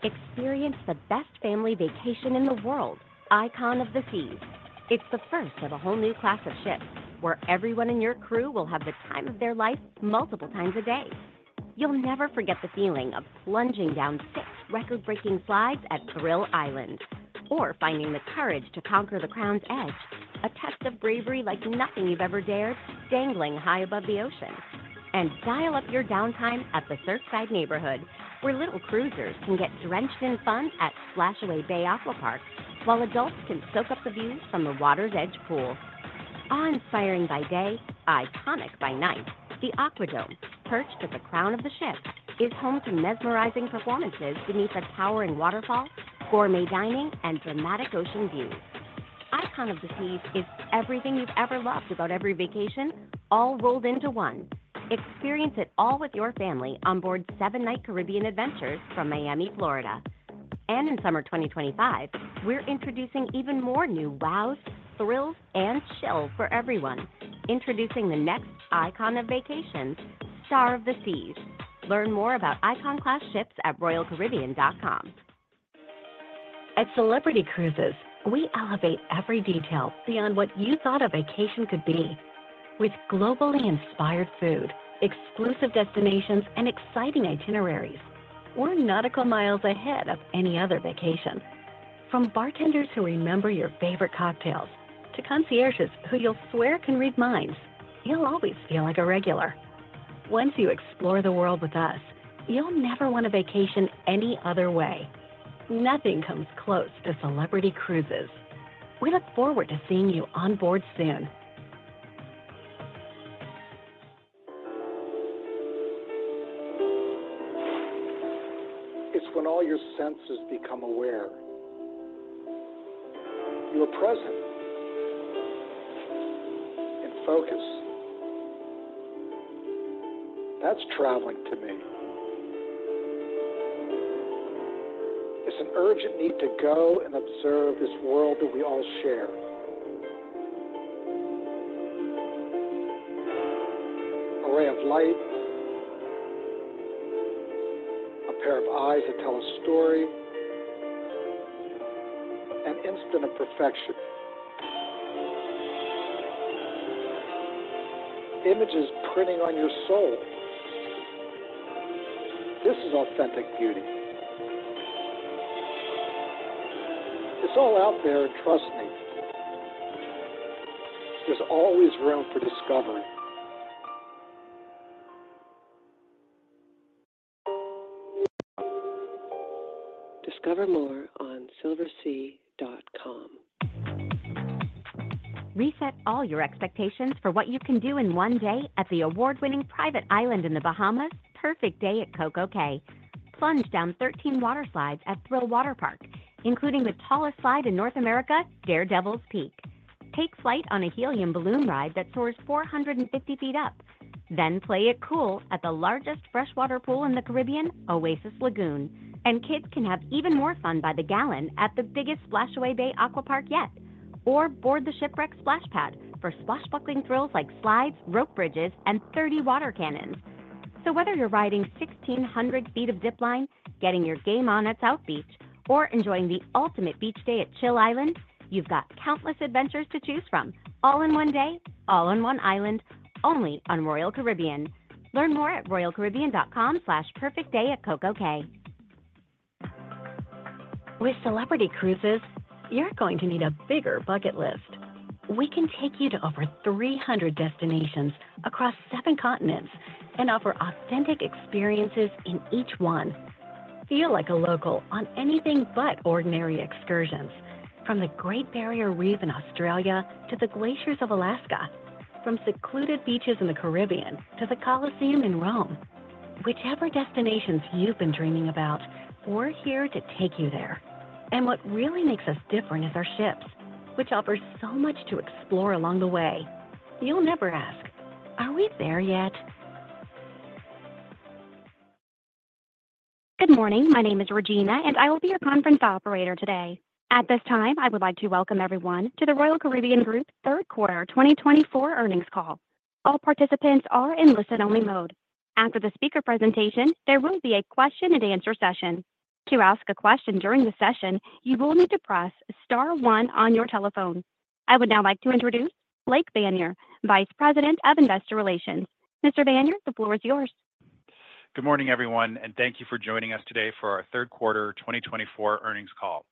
Traveling to me. Experience the best family vacation in the world, Icon of the Seas. It's the first of a whole new class of ships where everyone in your crew will have the time of their life multiple times a day. You'll never forget the feeling of plunging down six record-breaking slides at Thrill Island, or finding the courage to conquer the Crown's Edge, a test of bravery like nothing you've ever dared, dangling high above the ocean, and dial up your downtime at the Surfside neighborhood, where little cruisers can get drenched in fun at Splashaway Bay Aquapark, while adults can soak up the views from the water's edge pool. Awe-inspiring by day, iconic by night, the AquaDome, perched at the crown of the ship, is home to mesmerizing performances beneath a towering waterfall, gourmet dining, and dramatic ocean views. Icon of the Seas is everything you've ever loved about every vacation, all rolled into one. Experience it all with your family onboard seven-night Caribbean adventures from Miami, Florida, and in summer 2025, we're introducing even more new wows, thrills, and chills for everyone, introducing the next Icon of Vacations, Star of the Seas. Learn more about Icon-class ships at royalcaribbean.com. At Celebrity Cruises, we elevate every detail beyond what you thought a vacation could be. With globally inspired food, exclusive destinations, and exciting itineraries, we're nautical miles ahead of any other vacation. From bartenders who remember your favorite cocktails to concierges who you'll swear can read minds, you'll always feel like a regular. Once you explore the world with us, you'll never want to vacation any other way. Nothing comes close to Celebrity Cruises. We look forward to seeing you onboard soon. It's when all your senses become aware. You are present. In focus. That's traveling to me. It's an urgent need to go and observe this world that we all share. A ray of light. A pair of eyes that tell a story. An instant of perfection. Images printing on your soul. This is authentic beauty. It's all out there, and trust me, there's always room for discovery. Discover more on Silversea.com. Reset all your expectations for what you can do in one day at the award-winning private island in the Bahamas, Perfect Day at CocoCay. Plunge down 13 water slides at Thrill Waterpark, including the tallest slide in North America, Daredevil's Peak. Take flight on a helium balloon ride that soars 450 feet up, then play it cool at the largest freshwater pool in the Caribbean, Oasis Lagoon, and kids can have even more fun by the gallon at the biggest Splashaway Bay Aquapark yet, or board the shipwreck Splash Pad for swashbuckling thrills like slides, rope bridges, and 30 water cannons, so whether you're riding 1,600 feet of zipline, getting your game on at South Beach, or enjoying the ultimate beach day at Chill Island, you've got countless adventures to choose from, all in one day, all on one island, only on Royal Caribbean. Learn more at royalcaribbean.com/perfectday-at-cococay. With Celebrity Cruises, you're going to need a bigger bucket list. We can take you to over 300 destinations across seven continents and offer authentic experiences in each one. Feel like a local on anything but ordinary excursions, from the Great Barrier Reef in Australia to the glaciers of Alaska, from secluded beaches in the Caribbean to the Colosseum in Rome. Whichever destinations you've been dreaming about, we're here to take you there, and what really makes us different is our ships, which offer so much to explore along the way. You'll never ask, "Are we there yet? Good morning. My name is Regina, and I will be your conference operator today. At this time, I would like to welcome everyone to the Royal Caribbean Group Third Quarter 2024 earnings call. All participants are in listen-only mode. After the speaker presentation, there will be a question-and-answer session. To ask a question during the session, you will need to press star one on your telephone. I would now like to introduce Blake Vanier, Vice President of Investor Relations. Mr. Vanier, the floor is yours. Good morning, everyone, and thank you for joining us today for our Third Quarter 2024 earnings call.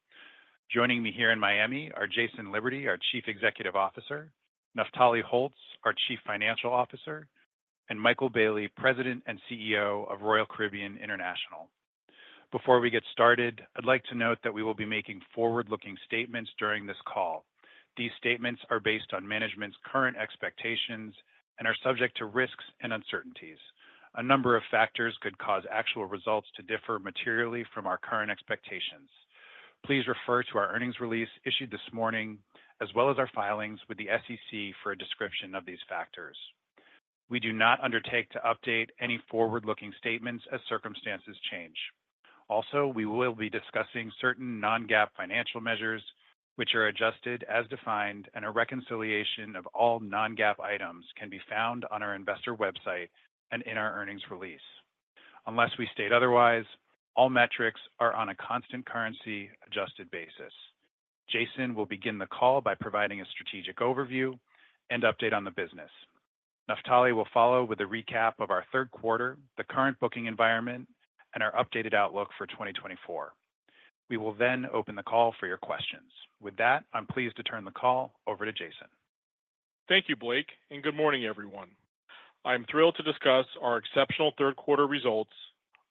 Joining me here in Miami are Jason Liberty, our Chief Executive Officer, Naftali Holtz, our Chief Financial Officer, and Michael Bayley, President and CEO of Royal Caribbean International. Before we get started, I'd like to note that we will be making forward-looking statements during this call. These statements are based on management's current expectations and are subject to risks and uncertainties. A number of factors could cause actual results to differ materially from our current expectations. Please refer to our earnings release issued this morning, as well as our filings with the SEC for a description of these factors. We do not undertake to update any forward-looking statements as circumstances change. Also, we will be discussing certain non-GAAP financial measures, which are adjusted as defined, and a reconciliation of all non-GAAP items can be found on our investor website and in our earnings release. Unless we state otherwise, all metrics are on a constant currency-adjusted basis. Jason will begin the call by providing a strategic overview and update on the business. Naftali will follow with a recap of our third quarter, the current booking environment, and our updated outlook for 2024. We will then open the call for your questions. With that, I'm pleased to turn the call over to Jason. Thank you, Blake, and good morning, everyone. I am thrilled to discuss our exceptional third-quarter results,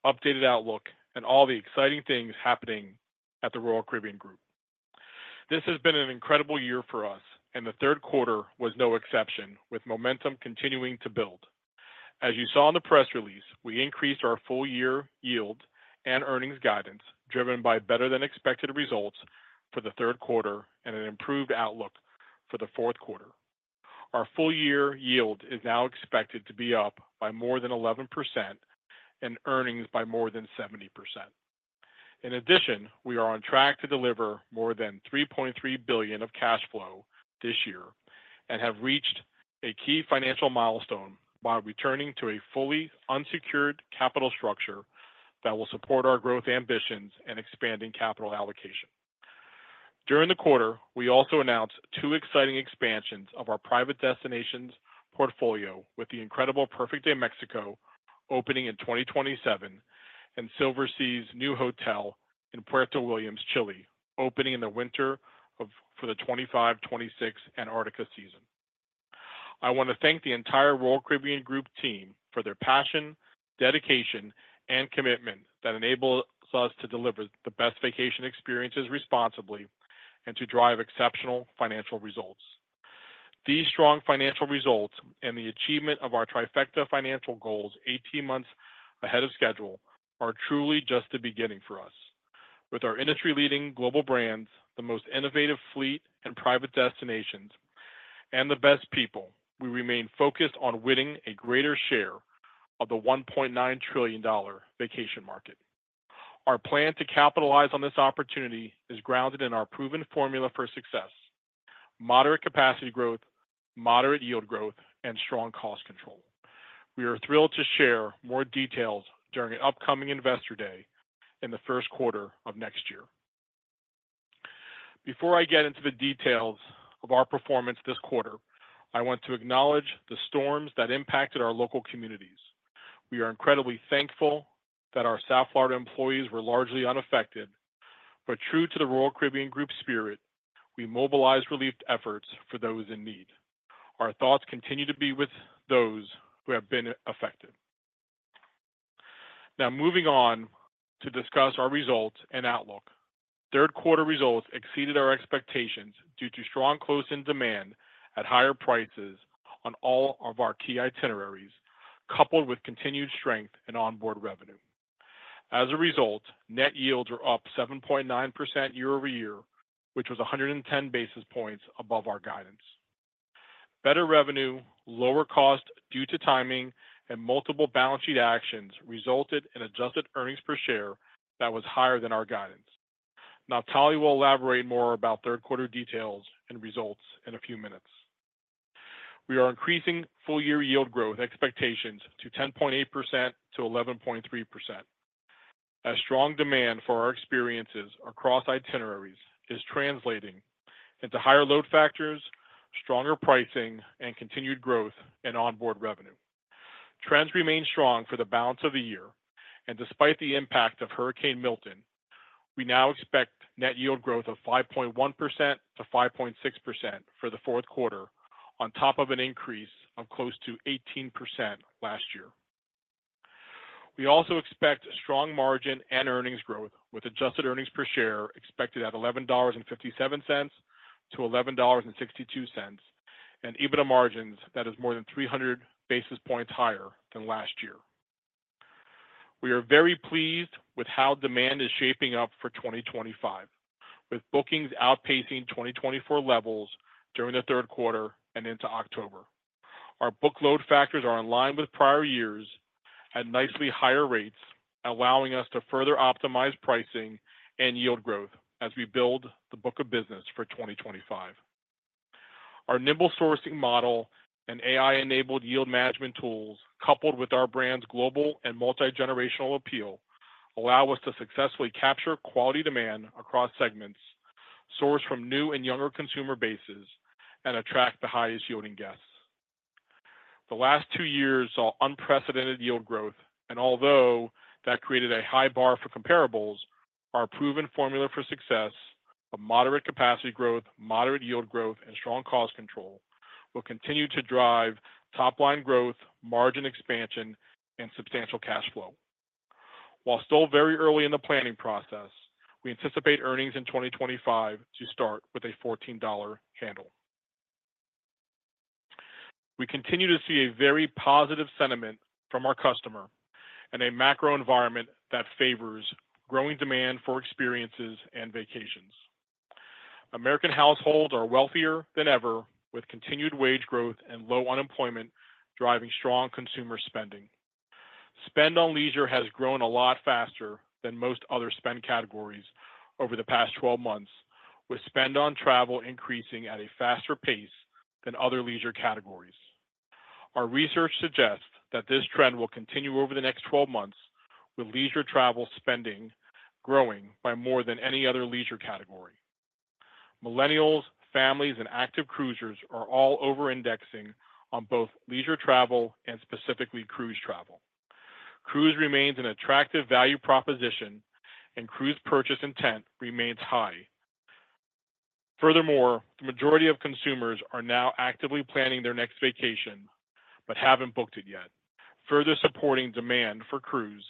updated outlook, and all the exciting things happening at the Royal Caribbean Group. This has been an incredible year for us, and the third quarter was no exception, with momentum continuing to build. As you saw in the press release, we increased our full-year yield and earnings guidance, driven by better-than-expected results for the third quarter and an improved outlook for the fourth quarter. Our full-year yield is now expected to be up by more than 11% and earnings by more than 70%. In addition, we are on track to deliver more than $3.3 billion of cash flow this year and have reached a key financial milestone by returning to a fully unsecured capital structure that will support our growth ambitions and expanding capital allocation. During the quarter, we also announced two exciting expansions of our private destinations portfolio, with the incredible Perfect Day Mexico opening in 2027 and Silversea’s new hotel in Puerto Williams, Chile, opening in the winter for the 2025, 2026 Antarctica season. I want to thank the entire Royal Caribbean Group team for their passion, dedication, and commitment that enables us to deliver the best vacation experiences responsibly and to drive exceptional financial results. These strong financial results and the achievement of our Trifecta financial goals 18 months ahead of schedule are truly just the beginning for us. With our industry-leading global brands, the most innovative fleet and private destinations, and the best people, we remain focused on winning a greater share of the $1.9 trillion vacation market. Our plan to capitalize on this opportunity is grounded in our proven formula for success: moderate capacity growth, moderate yield growth, and strong cost control. We are thrilled to share more details during an upcoming investor day in the first quarter of next year. Before I get into the details of our performance this quarter, I want to acknowledge the storms that impacted our local communities. We are incredibly thankful that our South Florida employees were largely unaffected, but true to the Royal Caribbean Group spirit, we mobilized relief efforts for those in need. Our thoughts continue to be with those who have been affected. Now, moving on to discuss our results and outlook. Third-quarter results exceeded our expectations due to strong close-in demand at higher prices on all of our key itineraries, coupled with continued strength in onboard revenue. As a result, net yields were up 7.9% year over year, which was 110 basis points above our guidance. Better revenue, lower cost due to timing, and multiple balance sheet actions resulted in adjusted earnings per share that was higher than our guidance. Naftali will elaborate more about third-quarter details and results in a few minutes. We are increasing full-year yield growth expectations to 10.8%-11.3%. As strong demand for our experiences across itineraries is translating into higher load factors, stronger pricing, and continued growth in onboard revenue. Trends remain strong for the balance of the year, and despite the impact of Hurricane Milton, we now expect net yield growth of 5.1%-5.6% for the fourth quarter, on top of an increase of close to 18% last year. We also expect strong margin and earnings growth, with adjusted earnings per share expected at $11.57-$11.62, and EBITDA margins that is more than 300 basis points higher than last year. We are very pleased with how demand is shaping up for 2025, with bookings outpacing 2024 levels during the third quarter and into October. Our book load factors are in line with prior years at nicely higher rates, allowing us to further optimize pricing and yield growth as we build the book of business for 2025. Our nimble sourcing model and AI-enabled yield management tools, coupled with our brand's global and multi-generational appeal, allow us to successfully capture quality demand across segments, source from new and younger consumer bases, and attract the highest yielding guests. The last two years saw unprecedented yield growth, and although that created a high bar for comparables, our proven formula for success of moderate capacity growth, moderate yield growth, and strong cost control will continue to drive top-line growth, margin expansion, and substantial cash flow. While still very early in the planning process, we anticipate earnings in 2025 to start with a $14 handle. We continue to see a very positive sentiment from our customer and a macro environment that favors growing demand for experiences and vacations. American households are wealthier than ever, with continued wage growth and low unemployment driving strong consumer spending. Spend on leisure has grown a lot faster than most other spend categories over the past 12 months, with spend on travel increasing at a faster pace than other leisure categories. Our research suggests that this trend will continue over the next 12 months, with leisure travel spending growing by more than any other leisure category. Millennials, families, and active cruisers are all over-indexing on both leisure travel and specifically cruise travel. Cruise remains an attractive value proposition, and cruise purchase intent remains high. Furthermore, the majority of consumers are now actively planning their next vacation but haven't booked it yet, further supporting demand for cruise.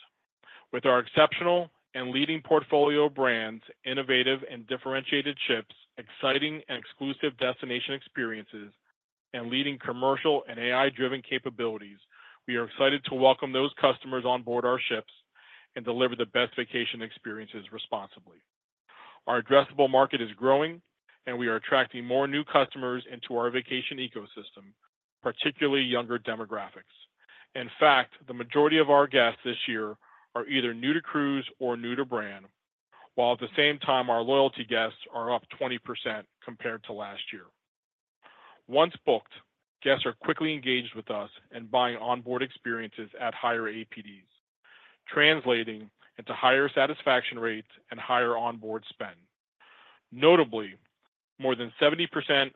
With our exceptional and leading portfolio brands, innovative and differentiated ships, exciting and exclusive destination experiences, and leading commercial and AI-driven capabilities, we are excited to welcome those customers onboard our ships and deliver the best vacation experiences responsibly. Our addressable market is growing, and we are attracting more new customers into our vacation ecosystem, particularly younger demographics. In fact, the majority of our guests this year are either new to cruise or new to brand, while at the same time, our loyalty guests are up 20% compared to last year. Once booked, guests are quickly engaged with us and buying onboard experiences at higher APDs, translating into higher satisfaction rates and higher onboard spend. Notably, more than 70%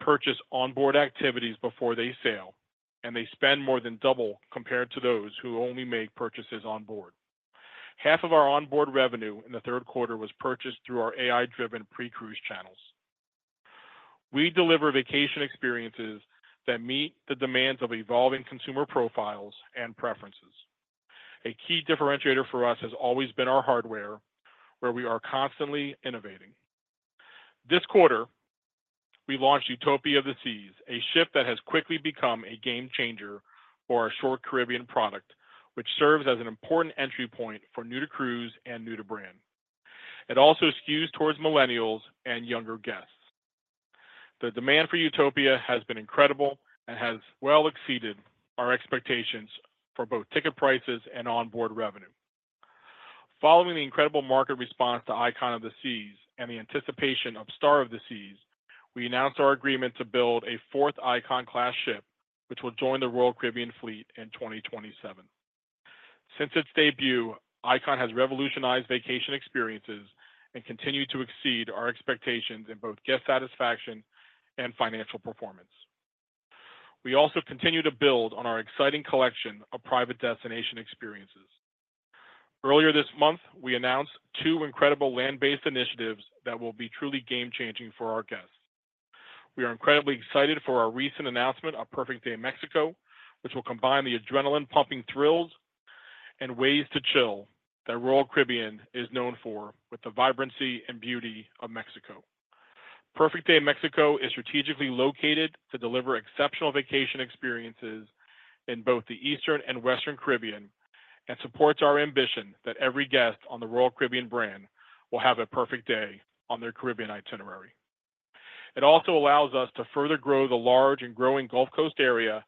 purchase onboard activities before they sail, and they spend more than double compared to those who only make purchases onboard. Half of our onboard revenue in the third quarter was purchased through our AI-driven pre-cruise channels. We deliver vacation experiences that meet the demands of evolving consumer profiles and preferences. A key differentiator for us has always been our hardware, where we are constantly innovating. This quarter, we launched Utopia of the Seas, a ship that has quickly become a game changer for our short Caribbean product, which serves as an important entry point for new to cruise and new to brand. It also skews towards millennials and younger guests. The demand for Utopia has been incredible and has well exceeded our expectations for both ticket prices and onboard revenue. Following the incredible market response to Icon of the Seas and the anticipation of Star of the Seas, we announced our agreement to build a fourth Icon-class ship, which will join the Royal Caribbean fleet in 2027. Since its debut, Icon has revolutionized vacation experiences and continued to exceed our expectations in both guest satisfaction and financial performance. We also continue to build on our exciting collection of private destination experiences. Earlier this month, we announced two incredible land-based initiatives that will be truly game-changing for our guests. We are incredibly excited for our recent announcement of Perfect Day Mexico, which will combine the adrenaline-pumping thrills and ways to chill that Royal Caribbean is known for, with the vibrancy and beauty of Mexico. Perfect Day Mexico is strategically located to deliver exceptional vacation experiences in both the Eastern and Western Caribbean and supports our ambition that every guest on the Royal Caribbean brand will have a perfect day on their Caribbean itinerary. It also allows us to further grow the large and growing Gulf Coast area,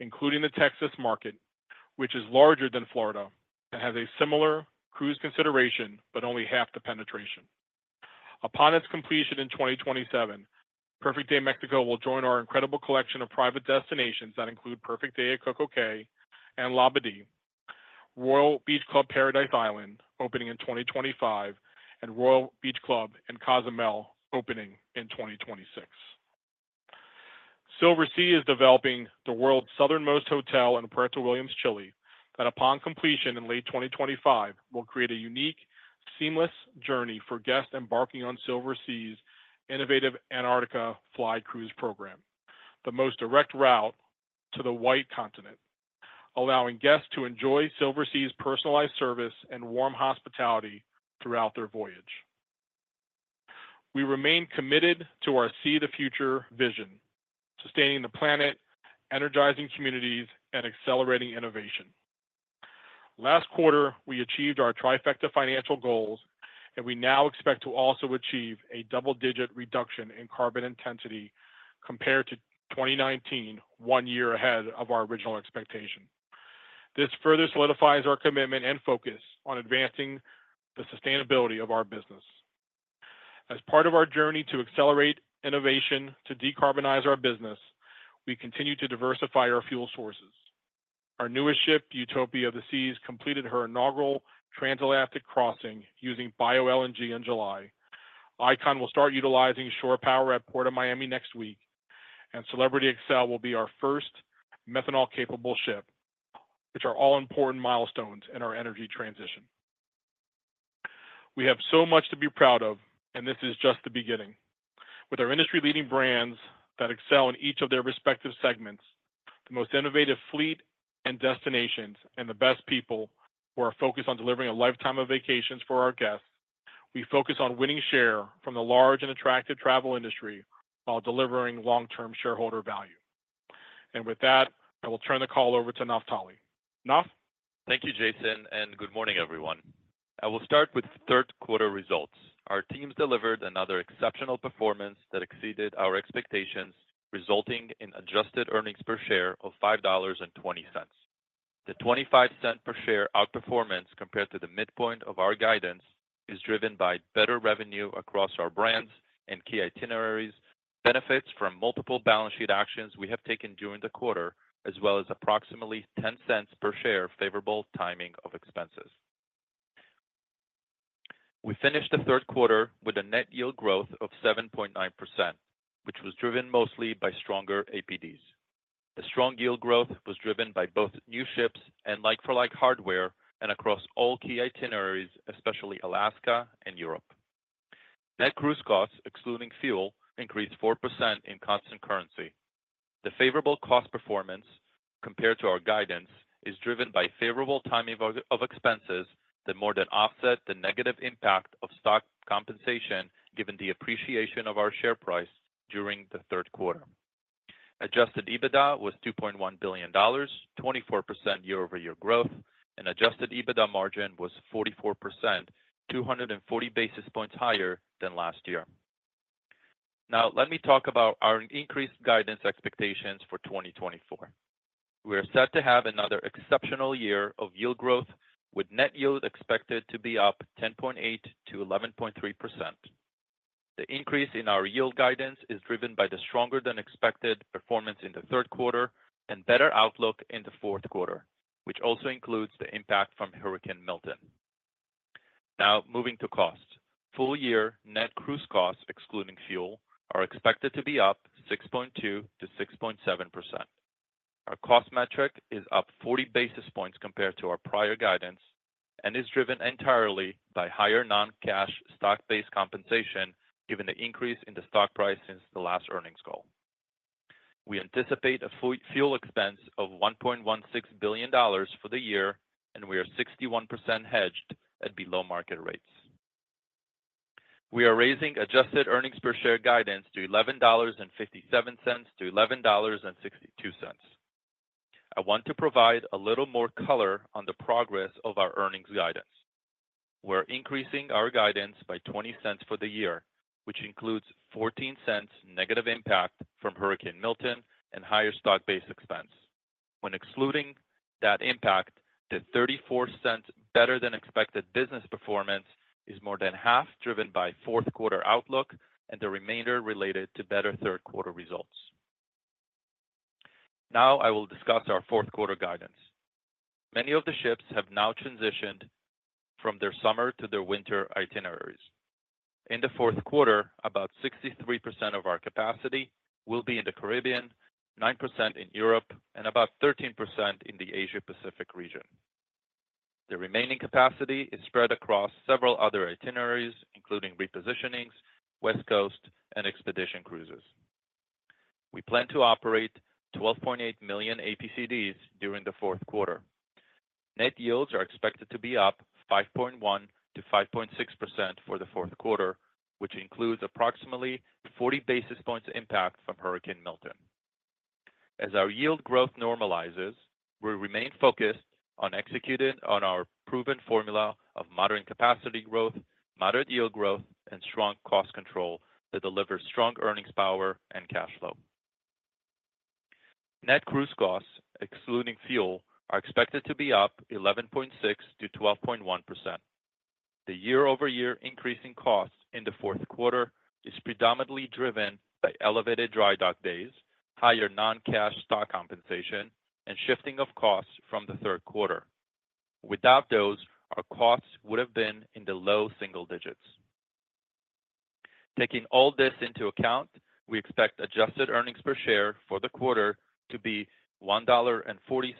including the Texas market, which is larger than Florida and has a similar cruise consideration, but only half the penetration. Upon its completion in 2027, Perfect Day Mexico will join our incredible collection of private destinations that include Perfect Day at CocoCay and Labadee, Royal Beach Club Paradise Island opening in 2025, and Royal Beach Club Cozumel opening in 2026. Silversea is developing the world's southernmost hotel in Puerto Williams, Chile, that upon completion in late 2025 will create a unique, seamless journey for guests embarking on Silversea's innovative Antarctica Fly Cruise program, the most direct route to the White Continent, allowing guests to enjoy Silversea's personalized service and warm hospitality throughout their voyage. We remain committed to our Sea of the Future vision, sustaining the planet, energizing communities, and accelerating innovation. Last quarter, we achieved our Trifecta financial goals, and we now expect to also achieve a double-digit reduction in carbon intensity compared to 2019, one year ahead of our original expectation. This further solidifies our commitment and focus on advancing the sustainability of our business. As part of our journey to accelerate innovation to decarbonize our business, we continue to diversify our fuel sources. Our newest ship, Utopia of the Seas, completed her inaugural transatlantic crossing using Bio-LNG in July. Icon will start utilizing shore power at Port of Miami next week, and Celebrity Xcel will be our first methanol-capable ship, which are all important milestones in our energy transition. We have so much to be proud of, and this is just the beginning. With our industry-leading brands that excel in each of their respective segments, the most innovative fleet and destinations, and the best people who are focused on delivering a lifetime of vacations for our guests, we focus on winning share from the large and attractive travel industry while delivering long-term shareholder value. With that, I will turn the call over to Naftali. Naf? Thank you, Jason, and good morning, everyone. I will start with third-quarter results. Our teams delivered another exceptional performance that exceeded our expectations, resulting in adjusted earnings per share of $5.20. The $0.25 per share outperformance compared to the midpoint of our guidance is driven by better revenue across our brands and key itineraries, benefits from multiple balance sheet actions we have taken during the quarter, as well as approximately $0.10 per share favorable timing of expenses. We finished the third quarter with a net yield growth of 7.9%, which was driven mostly by stronger APDs. The strong yield growth was driven by both new ships and like-for-like hardware and across all key itineraries, especially Alaska and Europe. Net cruise costs, excluding fuel, increased 4% in constant currency. The favorable cost performance compared to our guidance is driven by favorable timing of expenses that more than offset the negative impact of stock compensation, given the appreciation of our share price during the third quarter. Adjusted EBITDA was $2.1 billion, 24% year-over-year growth, and adjusted EBITDA margin was 44%, 240 basis points higher than last year. Now, let me talk about our increased guidance expectations for 2024. We are set to have another exceptional year of yield growth, with net yield expected to be up 10.8% to 11.3%. The increase in our yield guidance is driven by the stronger-than-expected performance in the third quarter and better outlook in the fourth quarter, which also includes the impact from Hurricane Milton. Now, moving to costs. Full-year net cruise costs, excluding fuel, are expected to be up 6.2% to 6.7%. Our cost metric is up 40 basis points compared to our prior guidance and is driven entirely by higher non-cash stock-based compensation, given the increase in the stock price since the last earnings call. We anticipate a fuel expense of $1.16 billion for the year, and we are 61% hedged at below-market rates. We are raising adjusted earnings per share guidance to $11.57 to $11.62. I want to provide a little more color on the progress of our earnings guidance. We're increasing our guidance by $0.20 for the year, which includes $0.14 negative impact from Hurricane Milton and higher stock-based expense. When excluding that impact, the $0.34 better-than-expected business performance is more than half driven by fourth-quarter outlook, and the remainder related to better third-quarter results. Now, I will discuss our fourth-quarter guidance. Many of the ships have now transitioned from their summer to their winter itineraries. In the fourth quarter, about 63% of our capacity will be in the Caribbean, 9% in Europe, and about 13% in the Asia-Pacific region. The remaining capacity is spread across several other itineraries, including repositionings, West Coast, and expedition cruises. We plan to operate 12.8 million APCDs during the fourth quarter. Net yields are expected to be up 5.1% to 5.6% for the fourth quarter, which includes approximately 40 basis points impact from Hurricane Milton. As our yield growth normalizes, we remain focused on executing on our proven formula of moderate capacity growth, moderate yield growth, and strong cost control that delivers strong earnings power and cash flow. Net cruise costs, excluding fuel, are expected to be up 11.6% to 12.1%. The year-over-year increase in costs in the fourth quarter is predominantly driven by elevated dry dock days, higher non-cash stock compensation, and shifting of costs from the third quarter. Without those, our costs would have been in the low single digits. Taking all this into account, we expect adjusted earnings per share for the quarter to be $1.40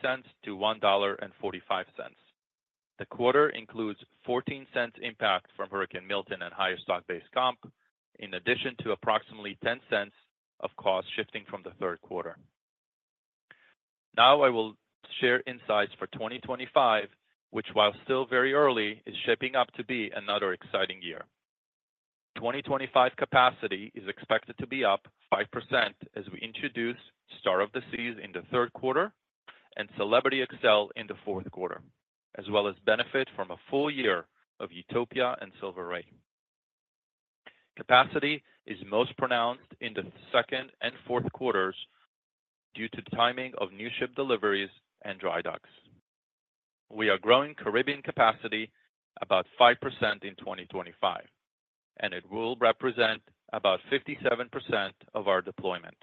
to $1.45. The quarter includes $0.14 impact from Hurricane Milton and higher stock-based comp, in addition to approximately $0.10 of costs shifting from the third quarter. Now, I will share insights for 2025, which, while still very early, is shaping up to be another exciting year. 2025 capacity is expected to be up 5% as we introduce Star of the Seas in the third quarter and Celebrity XL in the fourth quarter, as well as benefit from a full year of Utopia and Silver Ray. Capacity is most pronounced in the second and fourth quarters due to timing of new ship deliveries and dry docks. We are growing Caribbean capacity about 5% in 2025, and it will represent about 57% of our deployment.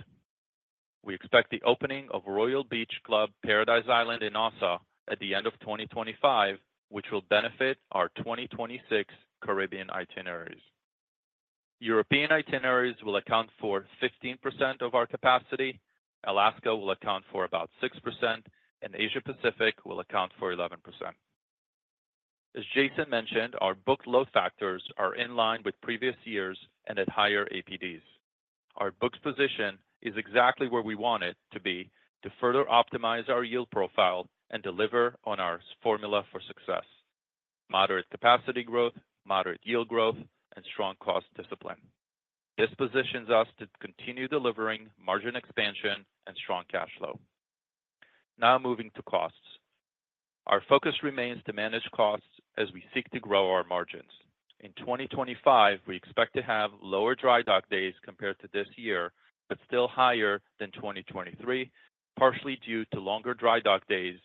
We expect the opening of Royal Beach Club Paradise Island in Nassau at the end of 2025, which will benefit our 2026 Caribbean itineraries. European itineraries will account for 15% of our capacity. Alaska will account for about 6%, and Asia-Pacific will account for 11%. As Jason mentioned, our booked load factors are in line with previous years and at higher APDs. Our booked position is exactly where we want it to be to further optimize our yield profile and deliver on our formula for success: moderate capacity growth, moderate yield growth, and strong cost discipline. This positions us to continue delivering margin expansion and strong cash flow. Now, moving to costs. Our focus remains to manage costs as we seek to grow our margins. In 2025, we expect to have lower dry dock days compared to this year, but still higher than 2023, partially due to longer dry dock days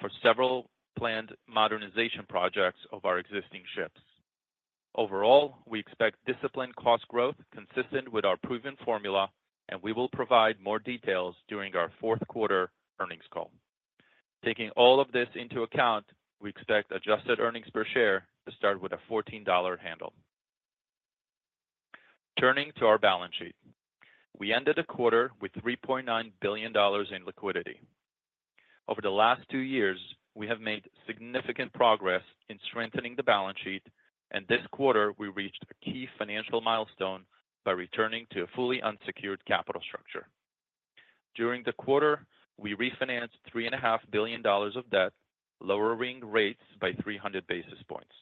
for several planned modernization projects of our existing ships. Overall, we expect disciplined cost growth consistent with our proven formula, and we will provide more details during our fourth quarter earnings call. Taking all of this into account, we expect adjusted earnings per share to start with a $14 handle. Turning to our balance sheet, we ended the quarter with $3.9 billion in liquidity. Over the last two years, we have made significant progress in strengthening the balance sheet, and this quarter, we reached a key financial milestone by returning to a fully unsecured capital structure. During the quarter, we refinanced $3.5 billion of debt, lowering rates by 300 basis points.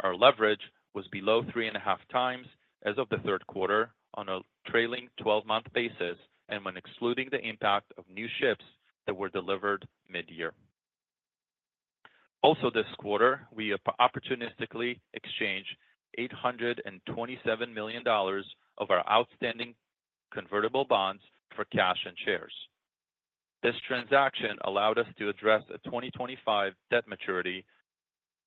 Our leverage was below 3.5 times as of the third quarter on a trailing 12-month basis, and when excluding the impact of new ships that were delivered mid-year. Also, this quarter, we opportunistically exchanged $827 million of our outstanding convertible bonds for cash and shares. This transaction allowed us to address a 2025 debt maturity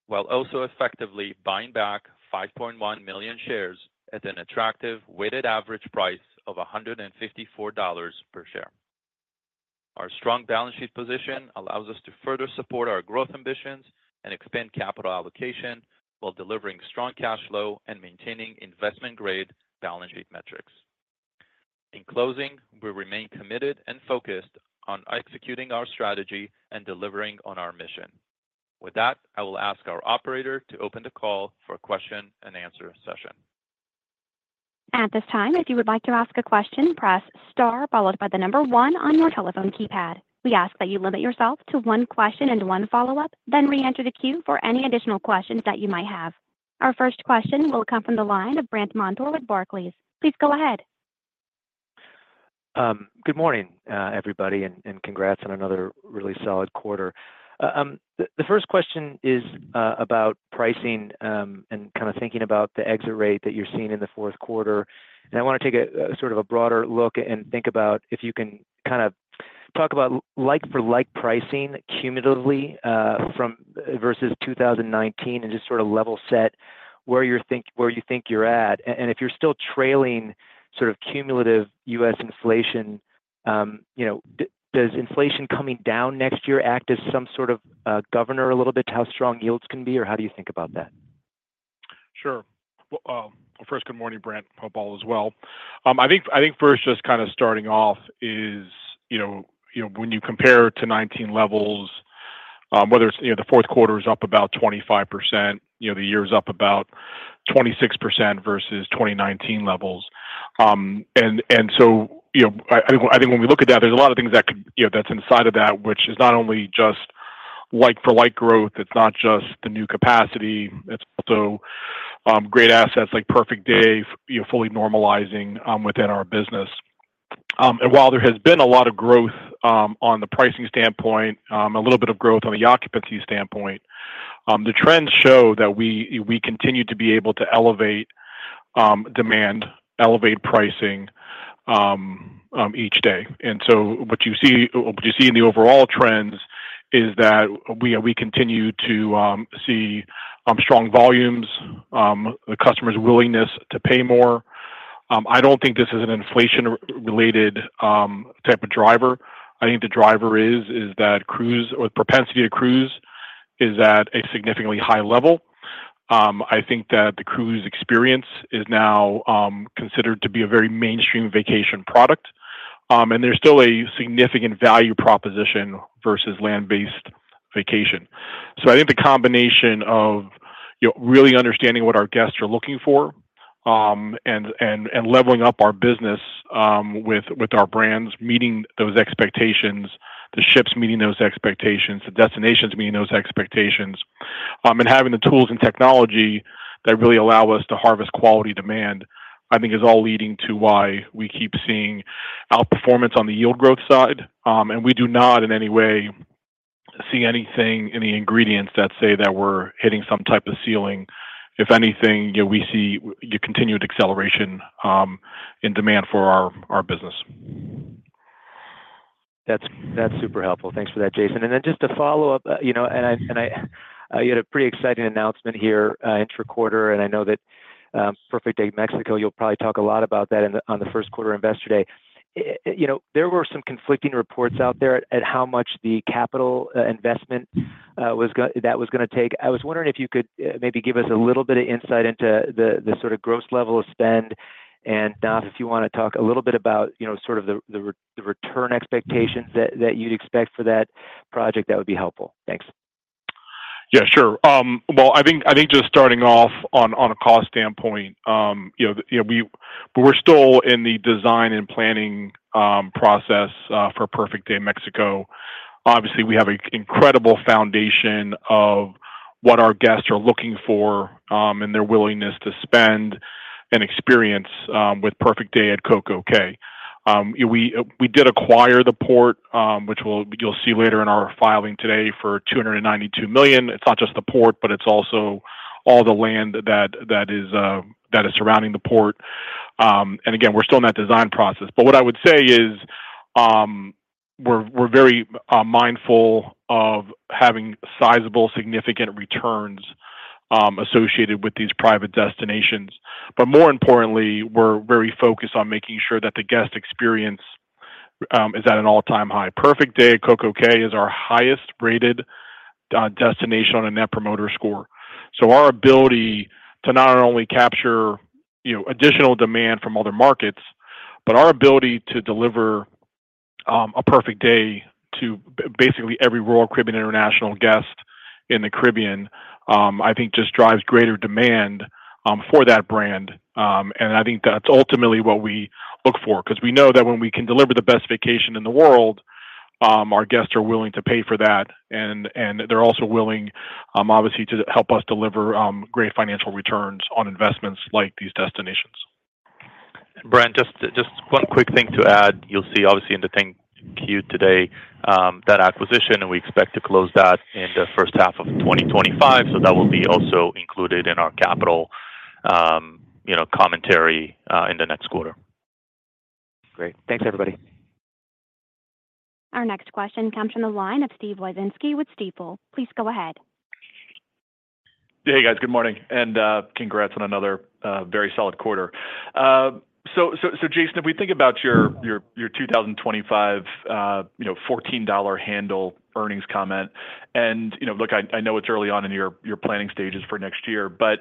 while also effectively buying back 5.1 million shares at an attractive weighted average price of $154 per share. Our strong balance sheet position allows us to further support our growth ambitions and expand capital allocation while delivering strong cash flow and maintaining investment-grade balance sheet metrics. In closing, we remain committed and focused on executing our strategy and delivering on our mission. With that, I will ask our operator to open the call for a question-and-answer session. At this time, if you would like to ask a question, press star followed by the number one on your telephone keypad. We ask that you limit yourself to one question and one follow-up, then re-enter the queue for any additional questions that you might have. Our first question will come from the line of Brandt Montour with Barclays. Please go ahead. Good morning, everybody, and congrats on another really solid quarter. The first question is about pricing and kind of thinking about the exit rate that you're seeing in the fourth quarter. And I want to take a sort of a broader look and think about if you can kind of talk about like-for-like pricing cumulatively versus 2019 and just sort of level set where you think you're at. And if you're still trailing sort of cumulative U.S. Inflation, does inflation coming down next year act as some sort of governor a little bit to how strong yields can be, or how do you think about that? Sure. Well, first, good morning, Brandt. Hope all is well. I think first, just kind of starting off is when you compare to 2019 levels, whether it's the fourth quarter is up about 25%, the year is up about 26% versus 2019 levels. And so I think when we look at that, there's a lot of things that's inside of that, which is not only just like-for-like growth. It's not just the new capacity. It's also great assets like Perfect Day, fully normalizing within our business. And while there has been a lot of growth on the pricing standpoint, a little bit of growth on the occupancy standpoint, the trends show that we continue to be able to elevate demand, elevate pricing each day. And so what you see in the overall trends is that we continue to see strong volumes, the customer's willingness to pay more. I don't think this is an inflation-related type of driver. I think the driver is that propensity to cruise is at a significantly high level. I think that the cruise experience is now considered to be a very mainstream vacation product, and there's still a significant value proposition versus land-based vacation. So I think the combination of really understanding what our guests are looking for and leveling up our business with our brands, meeting those expectations, the ships meeting those expectations, the destinations meeting those expectations, and having the tools and technology that really allow us to harvest quality demand, I think, is all leading to why we keep seeing outperformance on the yield growth side. And we do not in any way see anything, any ingredients that say that we're hitting some type of ceiling. If anything, we see continued acceleration in demand for our business. That's super helpful. Thanks for that, Jason. And then just to follow up, and you had a pretty exciting announcement here intra-quarter, and I know that Perfect Day Mexico, you'll probably talk a lot about that on the first quarter investor day. There were some conflicting reports out there at how much the capital investment that was going to take. I was wondering if you could maybe give us a little bit of insight into the sort of gross level of spend, and now, if you want to talk a little bit about sort of the return expectations that you'd expect for that project, that would be helpful. Thanks. Yeah, sure, well, I think just starting off on a cost standpoint, we're still in the design and planning process for Perfect Day Mexico. Obviously, we have an incredible foundation of what our guests are looking for and their willingness to spend and experience with Perfect Day at CocoCay. We did acquire the port, which you'll see later in our filing today for $292 million. It's not just the port, but it's also all the land that is surrounding the port. Again, we're still in that design process. What I would say is we're very mindful of having sizable significant returns associated with these private destinations. More importantly, we're very focused on making sure that the guest experience is at an all-time high. Perfect Day at CocoCay is our highest-rated destination on a Net Promoter Score. Our ability to not only capture additional demand from other markets, but our ability to deliver a Perfect Day to basically every Royal Caribbean International guest in the Caribbean, I think, just drives greater demand for that brand. I think that's ultimately what we look for because we know that when we can deliver the best vacation in the world, our guests are willing to pay for that. They're also willing, obviously, to help us deliver great financial returns on investments like these destinations. And Brandt, just one quick thing to add. You'll see, obviously, in the thank you today, that acquisition, and we expect to close that in the first half of 2025. So that will be also included in our capital commentary in the next quarter. Great. T hanks, everybody. Our next question comes from the line of Steve Wieczynski with Stifel. Please go ahead. Hey, guys. Good morning. And congrats on another very solid quarter. So Jason, if we think about your 2025 $14 handle earnings comment, and look, I know it's early on in your planning stages for next year, but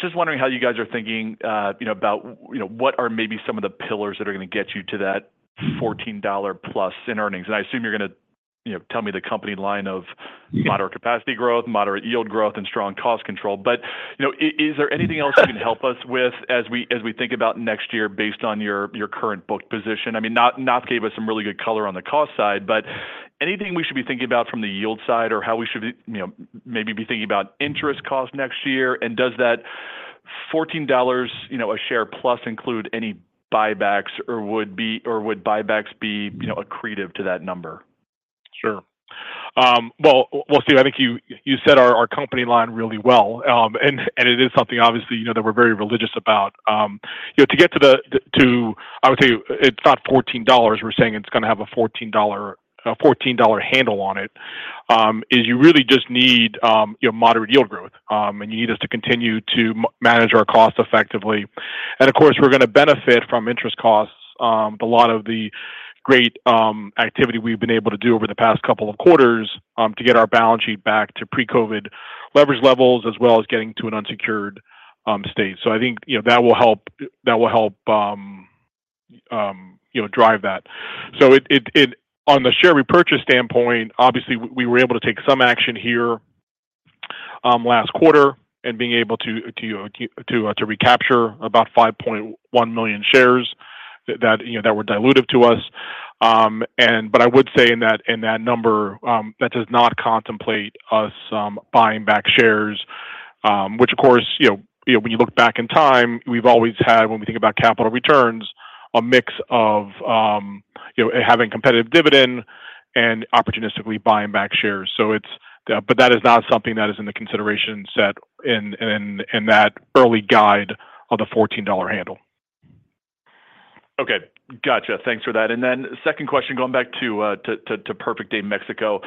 just wondering how you guys are thinking about what are maybe some of the pillars that are going to get you to that $14 plus in earnings. And I assume you're going to tell me the company line of moderate capacity growth, moderate yield growth, and strong cost control. But is there anything else you can help us with as we think about next year based on your current booked position? I mean, Naftali gave us some really good color on the cost side, but anything we should be thinking about from the yield side or how we should maybe be thinking about interest cost next year? And does that $14 a share plus include any buybacks, or would buybacks be accretive to that number? Sure. Well, Steve, I think you set our company line really well, and it is something, obviously, that we're very religious about. To get to the—I would say it's not $14. We're saying it's going to have a $14 handle on it. You really just need moderate yield growth, and you need us to continue to manage our cost effectively. And of course, we're going to benefit from interest costs, a lot of the great activity we've been able to do over the past couple of quarters to get our balance sheet back to pre-COVID leverage levels, as well as getting to an unsecured state. So I think that will help drive that. So on the share repurchase standpoint, obviously, we were able to take some action here last quarter and being able to recapture about 5.1 million shares that were dilutive to us. But I would say in that number, that does not contemplate us buying back shares, which, of course, when you look back in time, we've always had, when we think about capital returns, a mix of having competitive dividend and opportunistically buying back shares. But that is not something that is in the consideration set in that early guide of the $14 handle. Okay. Gotcha. Thanks for that. Then second question, going back to Perfect Day Mexico.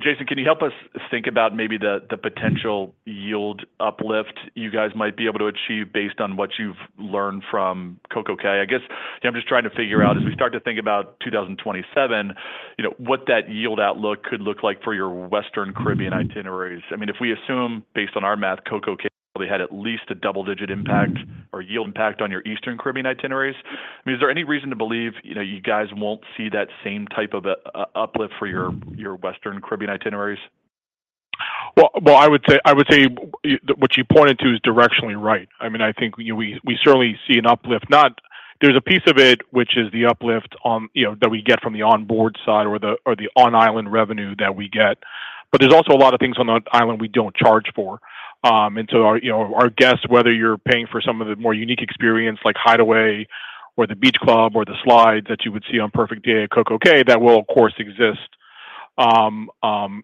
Jason, can you help us think about maybe the potential yield uplift you guys might be able to achieve based on what you've learned from Coco Cay? I guess I'm just trying to figure out, as we start to think about 2027, what that yield outlook could look like for your Western Caribbean itineraries. I mean, if we assume, based on our math, Coco Cay probably had at least a double-digit impact or yield impact on your Eastern Caribbean itineraries. I mean, is there any reason to believe you guys won't see that same type of uplift for your Western Caribbean itineraries? I would say what you pointed to is directionally right. I mean, I think we certainly see an uplift. There's a piece of it, which is the uplift that we get from the onboard side or the on-island revenue that we get. But there's also a lot of things on that island we don't charge for. And so our guests, whether you're paying for some of the more unique experience like Hideaway or the Beach Club or the slides that you would see on Perfect Day at CocoCay, that will, of course, exist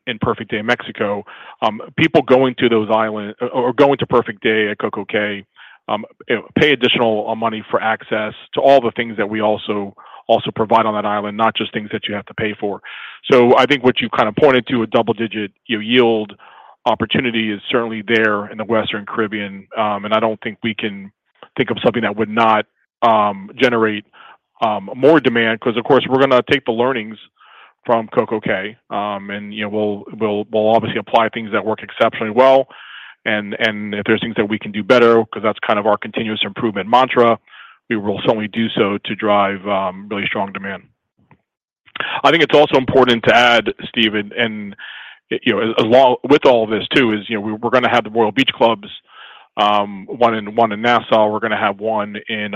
in Perfect Day Mexico. People going to those islands or going to Perfect Day at CocoCay pay additional money for access to all the things that we also provide on that island, not just things that you have to pay for. So I think what you kind of pointed to, a double-digit yield opportunity is certainly there in the Western Caribbean. I don't think we can think of something that would not generate more demand because, of course, we're going to take the learnings from CocoCay, and we'll obviously apply things that work exceptionally well. And if there's things that we can do better, because that's kind of our continuous improvement mantra, we will certainly do so to drive really strong demand. I think it's also important to add, Steve, and with all of this too, is we're going to have the Royal Beach Clubs, one in Nassau. We're going to have one in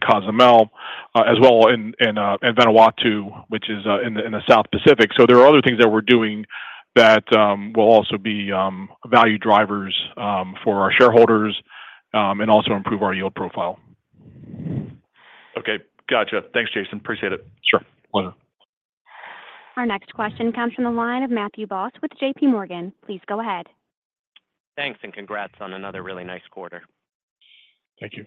Cozumel, as well as in Vanuatu, which is in the South Pacific. So there are other things that we're doing that will also be value drivers for our shareholders and also improve our yield profile. Okay. Gotcha. Thanks, Jason. Appreciate it. Sure. Pleasure. Our next question comes from the line of Matthew Boss with JPMorgan. Please go ahead. Thanks, and congrats on another really nice quarter. Thank you.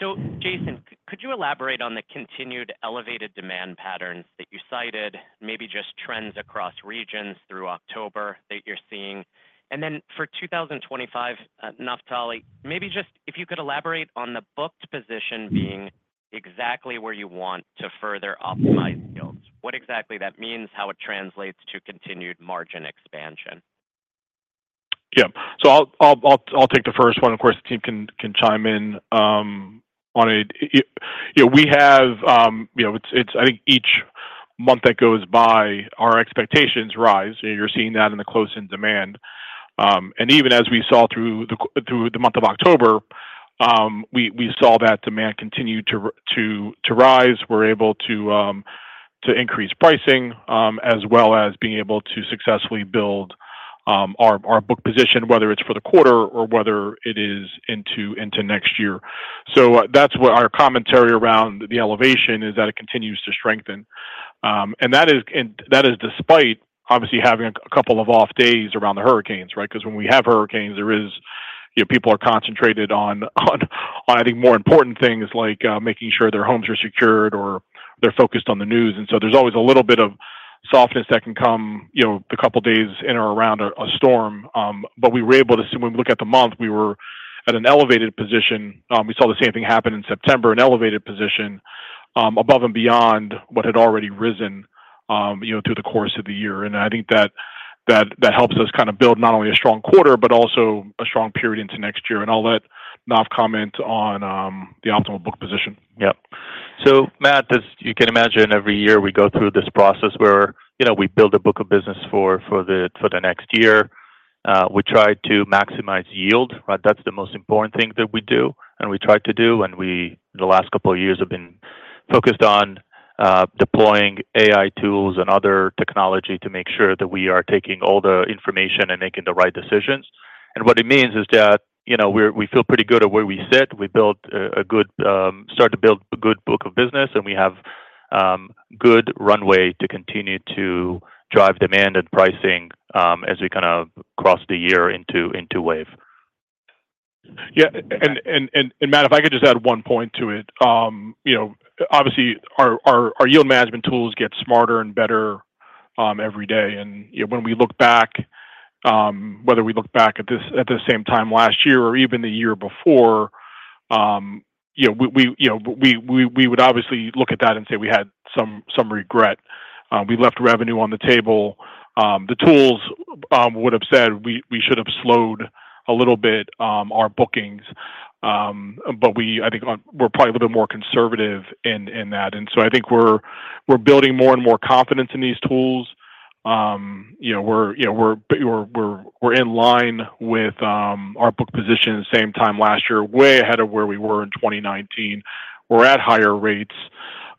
So Jason, could you elaborate on the continued elevated demand patterns that you cited, maybe just trends across regions through October that you're seeing? And then for 2025, Naftali, maybe just if you could elaborate on the booked position being exactly where you want to further optimize yields, what exactly that means, how it translates to continued margin expansion? Yeah. So I'll take the first one. Of course, the team can chime in on it. We have, I think each month that goes by, our expectations rise. You're seeing that in the close-in demand. And even as we saw through the month of October, we saw that demand continue to rise. We're able to increase pricing as well as being able to successfully build our booked position, whether it's for the quarter or whether it is into next year, so that's what our commentary around the elevation is that it continues to strengthen, and that is despite, obviously, having a couple of off days around the hurricanes, right? Because when we have hurricanes, people are concentrated on, I think, more important things like making sure their homes are secured or they're focused on the news, and so there's always a little bit of softness that can come a couple of days in or around a storm, but we were able to, so when we look at the month, we were at an elevated position. We saw the same thing happen in September, an elevated position above and beyond what had already risen through the co urse of the year. And I think that helps us kind of build not only a strong quarter but also a strong period into next year. And I'll let Naf comment on the optimal booked position. Yeah. So Matt, as you can imagine, every year we go through this process where we build a book of business for the next year. We try to maximize yield. That's the most important thing that we do and we try to do. And we, in the last couple of years, have been focused on deploying AI tools and other technology to make sure that we are taking all the information and making the right decisions. And what it means is that we feel pretty good at where we sit. We started to build a good book of business, and we have a good runway to continue to drive demand and pricing as we kind of cross the year into WAVE. Yeah. And Matt, if I could just add one point to it. Obviously, our yield management tools get smarter and better every day. And when we look back, whether we look back at the same time last year or even the year before, we would obviously look at that and say we had some regret. We left revenue on the table. The tools would have said we should have slowed a little bit our bookings, but I think we're probably a little bit more conservative in that. And so I think we're building more and more confidence in these tools. We're in line with our booked position at the same time last year, way ahead of where we were in 2019. We're at higher rates.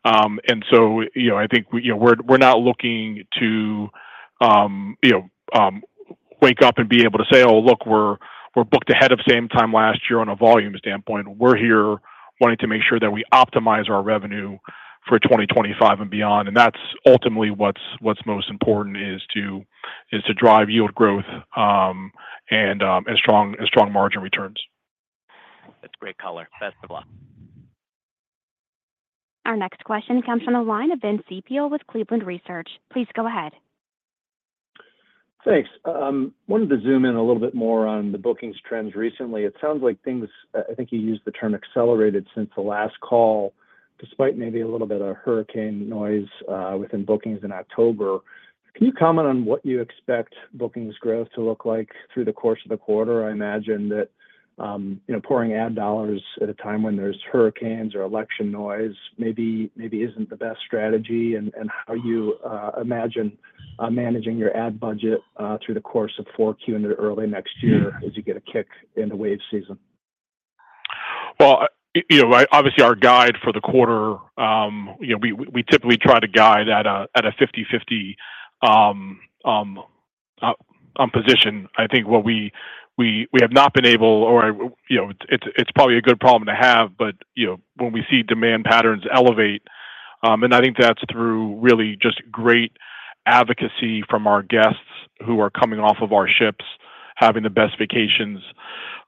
And so I think we're not looking to wake up and be able to say, "Oh, look, we're booked ahead of same time last year on a volume standpoint." We're here wanting to make sure that we optimize our revenue for 2025 and beyond. And that's ultimately what's most important is to drive yield growth and strong margin returns. That's great color. Best of luck. Our next question comes from the line of Vince Ciepiel with Cleveland Research. Please go ahead. Thanks. I wanted to zoom in a little bit more on the bookings trends recently. It sounds like things, I think you used the term accelerated since the last call, despite maybe a little bit of hurricane noise within bookings in October. Can you comment on what you expect bookings growth to look like through the course of the quarter? I imagine that pouring ad dollars at a time when there's hurricanes or election noise maybe isn't the best strategy. And how do you imagine managing your ad budget through the course of 4Q and early next year as you get a kick into WAVE season? Well, obviously, our guide for the quarter, we typically try to guide at a 50/50 position. I think what we have not been able, or it's probably a good problem to have, but when we see demand patterns elevate, and I think that's through really just great advocacy from our guests who are coming off of our ships, having the best vacations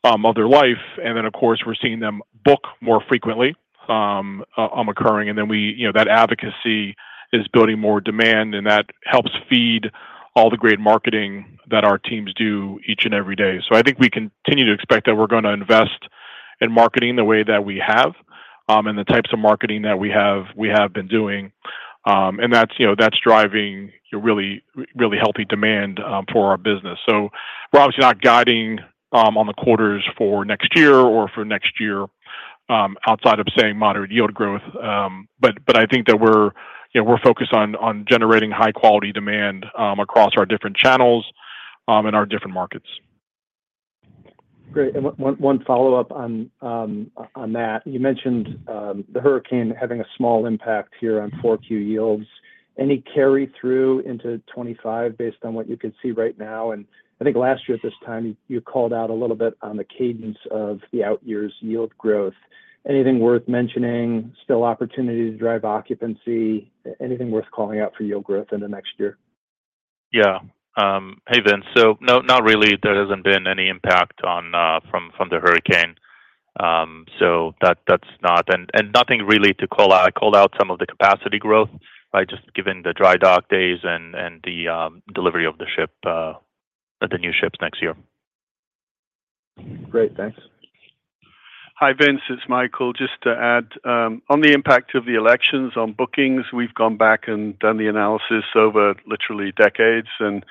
of their life. And then, of course, we're seeing them book more frequently occurring. And then that advocacy is building more demand, and that helps feed all the great marketing that our teams do each and every day. So I think we continue to expect that we're going to invest in marketing the way that we have and the types of marketing that we have been doing. And that's driving really healthy demand for our business. So we're obviously not guiding on the quarters for next year or for next year outside of saying moderate yield growth. But I think that we're focused on generating high-quality demand across our different channels and our different markets. Great. And one follow-up on that. You mentioned the hurricane having a small impact here on 4Q yields. Any carry-through into 2025 based on what you could see right now? I think last year at this time, you called out a little bit on the cadence of the out-year's yield growth. Anything worth mentioning? Still opportunity to drive occupancy? Anything worth calling out for yield growth in the next year? Yeah. Hey, then. So not really. There hasn't been any impact from the hurricane. So that's not and nothing really to call out. I called out some of the capacity growth by just given the dry dock days and the delivery of the new ships next year. Great. Thanks. Hi, Vince. It's Michael. Just to add on the impact of the elections on bookings, we've gone back and done the analysis over literally decades. And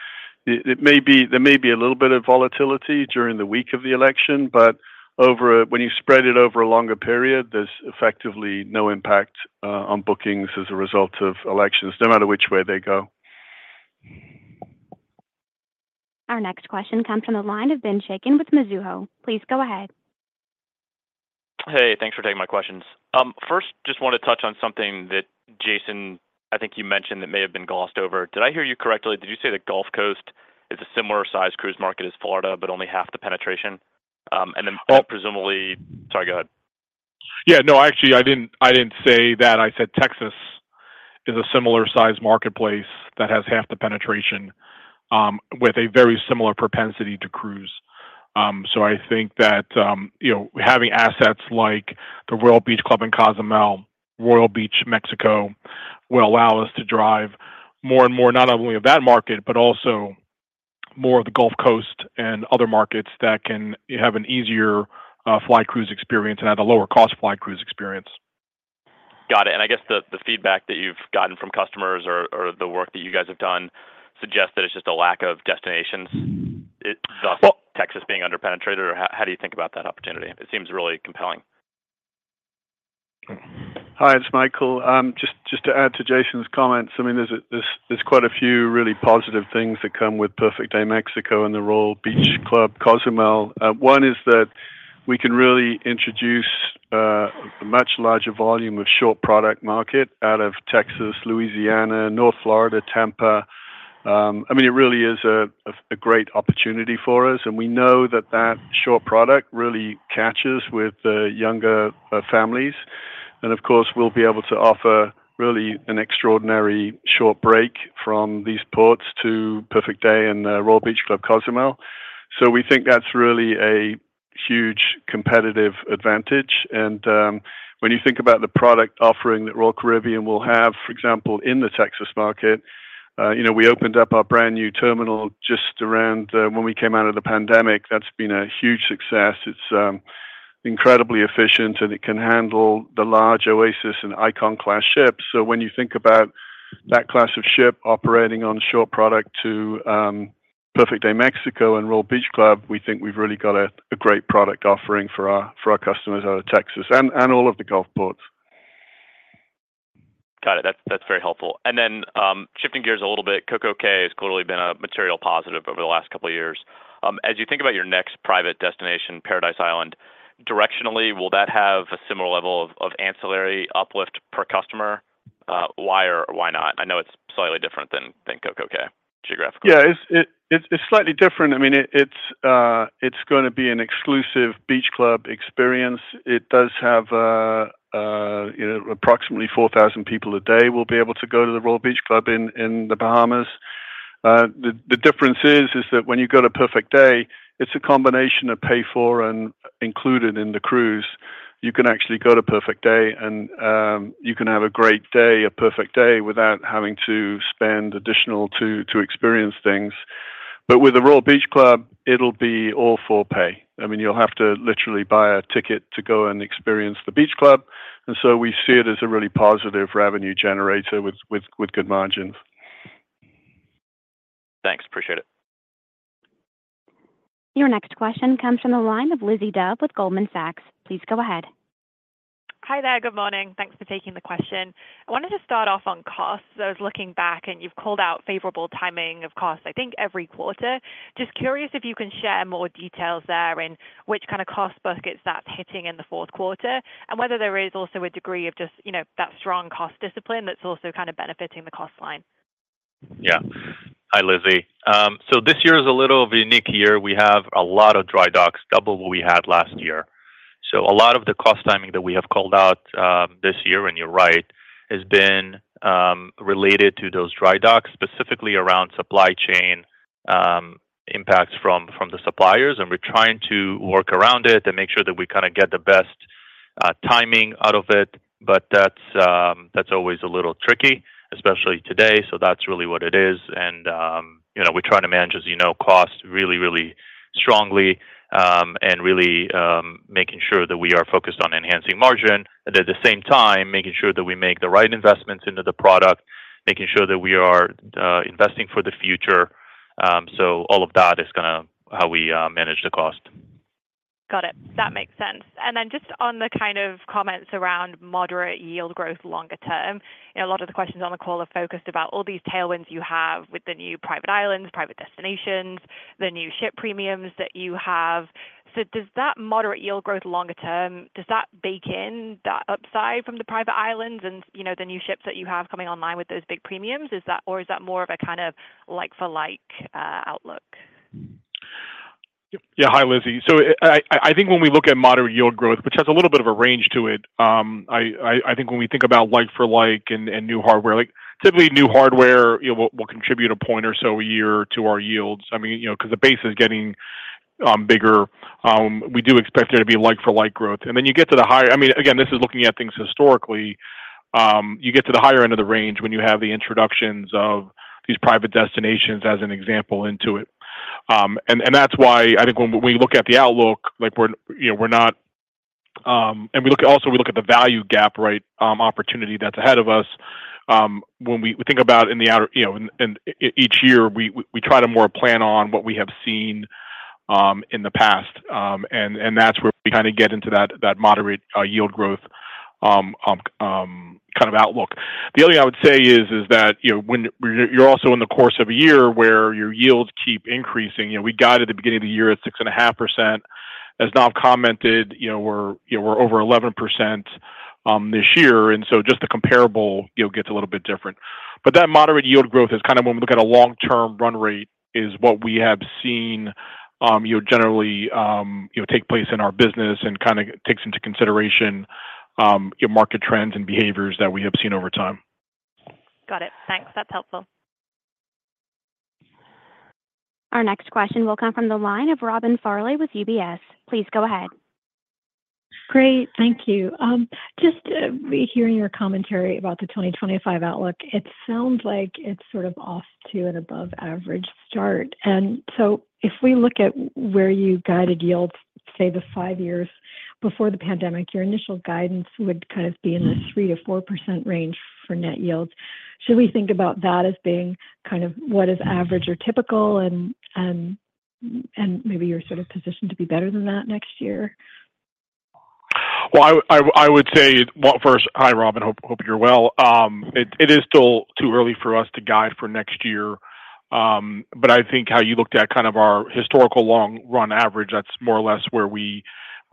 there may be a little bit of volatility during the week of the election, but when you spread it over a longer period, there's effectively no impact on bookings as a result of elections, no matter which way they go. Our next question comes from the line of Ben Chaiken with Mizuho. Please go ahead. Hey, thanks for taking my questions. First, just want to touch on something that, Jason, I think you mentioned that may have been glossed over. Did I hear you correctly? Did you say that Gulf Coast is a similar-sized cruise market as Florida but only half the penetration? And then presumably. Sorry, go ahead. Yeah. No, actually, I didn't say that. I said Texas is a similar-sized marketplace that has half the penetration with a very similar propensity to cruise. So I think that having assets like the Royal Beach Club in Cozumel, Royal Beach, Mexico, will allow us to drive more and more not only of that market but also more of the Gulf Coast and other markets that can have an easier flight cruise experience and at a lower-cost flight cruise experience. Got it. And I guess the feedback that you've gotten from customers or the work that you guys have done suggests that it's just a lack of destinations, thus Texas being under-penetrated? Or how do you think about that opportunity? It seems really compelling. Hi, it's Michael. Just to add to Jason's comments, I mean, there's quite a few really positive things that come with Perfect Day Mexico and the Royal Beach Club Cozumel. One is that we can really introduce a much larger volume of short product market out of Texas, Louisiana, North Florida, Tampa. I mean, it really is a great opportunity for us. And we know that that short product really catches with younger families. And of course, we'll be able to offer really an extraordinary short break from these ports to Perfect Day and the Royal Beach Club Cozumel. So we think that's really a huge competitive advantage. And when you think about the product offering that Royal Caribbean will have, for example, in the Texas market, we opened up our brand new terminal just around when we came out of the pandemic. That's been a huge success. It's incredibly efficient, and it can handle the large Oasis-class and Icon-class ships. So when you think about that class of ship operating on short product to Perfect Day Mexico and Royal Beach Club, we think we've really got a great product offering for our customers out of Texas and all of the Gulf ports. Got it. That's very helpful. And then shifting gears a little bit, CocoCay has clearly been a material positive over the last couple of years. As you think about your next private destination, Paradise Island, directionally, will that have a similar level of ancillary uplift per customer? Why or why not? I know it's slightly different than CocoCay geographically. Yeah. It's slightly different. I mean, it's going to be an exclusive beach club experience. It does have approximately 4,000 people a day will be able to go to the Royal Beach Club in the Bahamas. The difference is that when you go to Perfect Day, it's a combination of pay-for and included in the cruise. You can actually go to Perfect Day, and you can have a great day, a perfect day, without having to spend additional to experience things. But with the Royal Beach Club, it'll be all for pay. I mean, you'll have to literally buy a ticket to go and experience the beach club. And so we see it as a really positive revenue generator with good margins. Thanks. Appreciate it. Your next question comes from the line of Lizzie Dove with Goldman Sachs. Please go ahead. Hi there. Good morning. Thanks for taking the question. I wanted to start off on costs. I was looking back, and you've called out favorable timing of costs, I think, every quarter. Just curious if you can share more details there and which kind of cost buckets that's hitting in the fourth quarter and whether there is also a degree of just that strong cost discipline that's also kind of benefiting the cost line? Yeah. Hi, Lizzie. So this year is a little of a unique year. We have a lot of dry docks, double what we had last year. So a lot of the cost timing that we have called out this year, and you're right, has been related to those dry docks, specifically around supply chain impacts from the suppliers. And we're trying to work around it and make sure that we kind of get the best timing out of it. But that's always a little tricky, especially today. So that's really what it is. We're trying to manage, as you know, cost really, really strongly and really making sure that we are focused on enhancing margin and, at the same time, making sure that we make the right investments into the product, making sure that we are investing for the future. So all of that is kind of how we manage the cost. Got it. That makes sense. Then just on the kind of comments around moderate yield growth longer term, a lot of the questions on the call are focused about all these tailwinds you have with the new private islands, private destinations, the new ship premiums that you have. So does that moderate yield growth longer term, does that bake in that upside from the private islands and the new ships that you have coming online with those big premiums? Or is that more of a kind of like-for-like outlook? Yeah. Hi, Lizzie. So I think when we look at moderate yield growth, which has a little bit of a range to it, I think when we think about like-for-like and new hardware, typically new hardware will contribute a point or so a year to our yields. I mean, because the base is getting bigger, we do expect there to be like-for-like growth. And then you get to the higher, I mean, again, this is looking at things historically, you get to the higher end of the range when you have the introductions of these private destinations, as an example, into it. And that's why I think when we look at the outlook, we're not, and we look at also, we look at the value gap, right, opportunity that's ahead of us. When we think about in the outer, and each year, we try to more plan on what we have seen in the past. And that's where we kind of get into that moderate yield growth kind of outlook. The other thing I would say is that you're also in the course of a year where your yields keep increasing. We got at the beginning of the year at 6.5%. As Nav commented, we're over 11% this year. And so just the comparable gets a little bit different. But that moderate yield growth is kind of, when we look at a long-term run rate, what we have seen generally take place in our business and kind of takes into consideration market trends and behaviors that we have seen over time. Got it. Thanks. That's helpful. Our next question will come from the line of Robin Farley with UBS. Please go ahead. Great. Thank you. Just hearing your commentary about the 2025 outlook, it sounds like it's sort of off to an above-average start. If we look at where you guided yields, say, the five years before the pandemic, your initial guidance would kind of be in the 3%-4% range for net yields. Should we think about that as being kind of what is average or typical? Maybe you're sort of positioned to be better than that next year. I would say first, hi, Robin. Hope you're well. It is still too early for us to guide for next year. But I think how you looked at kind of our historical long-run average, that's more or less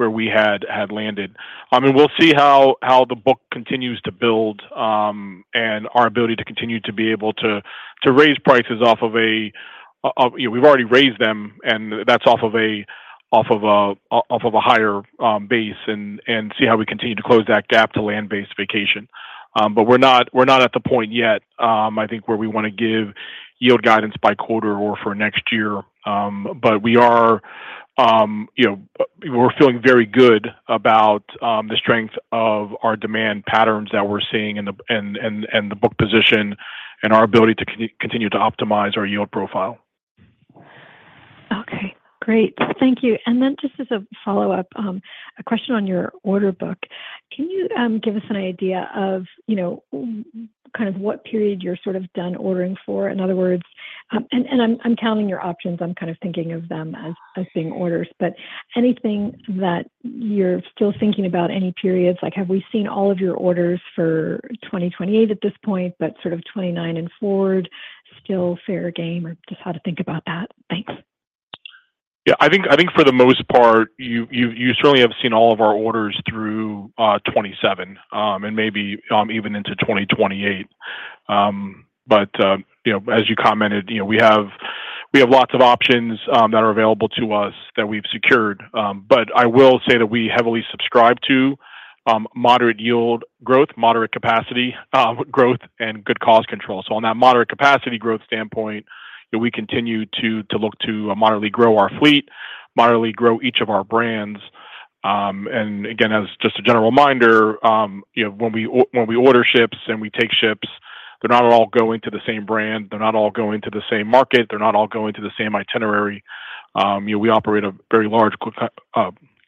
where we had landed. I mean, we'll see how the book continues to build and our ability to continue to be able to raise prices off of a (we've already raised them, and that's off of a higher base) and see how we continue to close that gap to land-based vacation. But we're not at the point yet, I think, where we want to give yield guidance by quarter or for next year. But we are—we're feeling very good about the strength of our demand patterns that we're seeing and the book position and our ability to continue to optimize our yield profile. Okay. Great. Thank you. And then just as a follow-up, a question on your order book. Can you give us an idea of kind of what period you're sort of done ordering for? In other words—and I'm counting your options. I'm kind of thinking of them as being orders. But anything that you're still thinking about, any periods? Have we seen all of your orders for 2028 at this point, but sort of 2029 and forward still fair game? Just how to think about that. Thanks. Yeah. I think for the most part, you certainly have seen all of our orders through 2027 and maybe even into 2028. But as you commented, we have lots of options that are available to us that we've secured. But I will say that we heavily subscribe to moderate yield growth, moderate capacity growth, and good cost control. So on that moderate capacity growth standpoint, we continue to look to moderately grow our fleet, moderately grow each of our brands. And again, as just a general reminder, when we order ships and we take ships, they're not all going to the same brand. They're not all going to the same market. They're not all going to the same itinerary. We operate a very large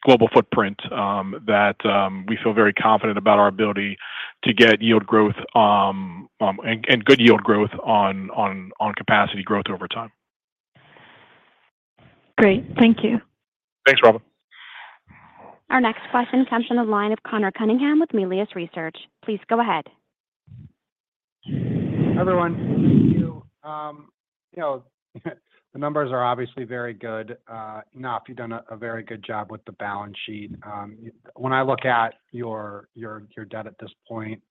global footprint that we feel very confident about our ability to get yield growth and good yield growth on capacity growth over time. Great. Thank you. Thanks, Robin. Our next question comes from the line of Conor Cunningham with Melius Research. Please go ahead. Hi everyone. Thank you. The numbers are obviously very good. Nav, you've done a very good job with the balance sheet. When I look at your debt at this point,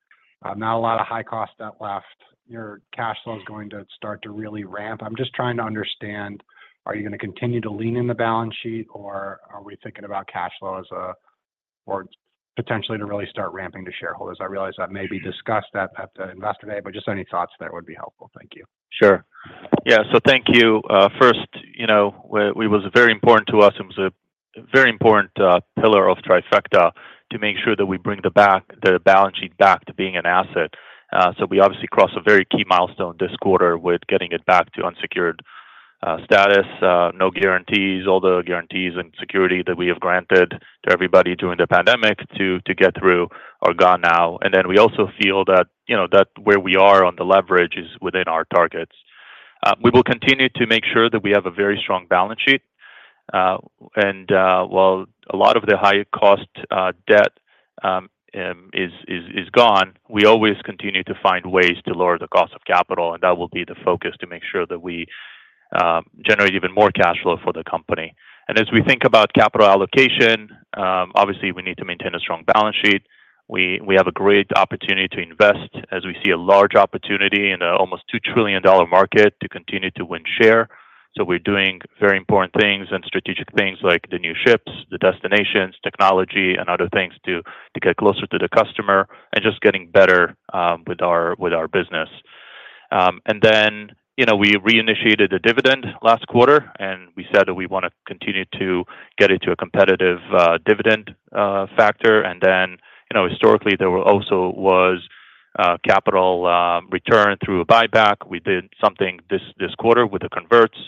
not a lot of high-cost debt left. Your cash flow is going to start to really ramp. I'm just trying to understand, are you going to continue to lean in the balance sheet, or are we thinking about cash flow as a—or potentially to really start ramping to shareholders? I realize that may be discussed at the investor day, but just any thoughts there would be helpful. Thank you. Sure. Yeah, so thank you. First, it was very important to us. It was a very important pillar of Trifecta to make sure that we bring the balance sheet back to being an asset. So we obviously crossed a very key milestone this quarter with getting it back to unsecured status, no guarantees, all the guarantees and security that we have granted to everybody during the pandemic to get through are gone now. And then we also feel that where we are on the leverage is within our targets. We will continue to make sure that we have a very strong balance sheet. And while a lot of the high-cost debt is gone, we always continue to find ways to lower the cost of capital. And that will be the focus to make sure that we generate even more cash flow for the company. And as we think about capital allocation, obviously, we need to maintain a strong balance sheet. We have a great opportunity to invest as we see a large opportunity in an almost $2 trillion market to continue to win share, so we're doing very important things and strategic things like the new ships, the destinations, technology, and other things to get closer to the customer and just getting better with our business, and then we reinitiated the dividend last quarter, and we said that we want to continue to get into a competitive dividend factor, and then historically, there also was capital return through a buyback. We did something this quarter with a converts,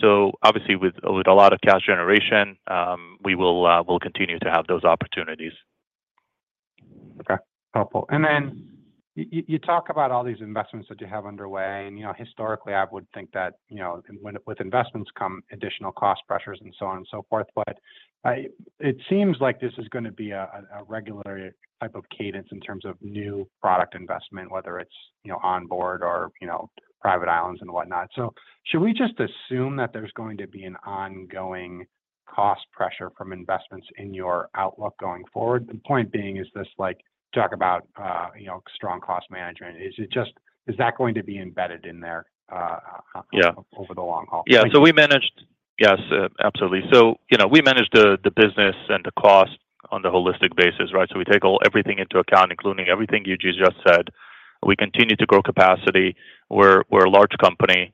so obviously, with a lot of cash generation, we will continue to have those opportun ities. Okay. Helpful. And then you talk about all these investments that you have underway, and historically, I would think that with investments come additional cost pressures and so on and so forth. But it seems like this is going to be a regular type of cadence in terms of new product investment, whether it's onboard or private islands and whatnot. So should we just assume that there's going to be an ongoing cost pressure from investments in your outlook going forward? The point being is this talk about strong cost management. Is that going to be embedded in there over the long haul? Yeah. So we managed, yes, absolutely. So we managed the business and the cost on the holistic basis, right? So we take everything into account, including everything you just said. We continue to grow capacity. We're a large company.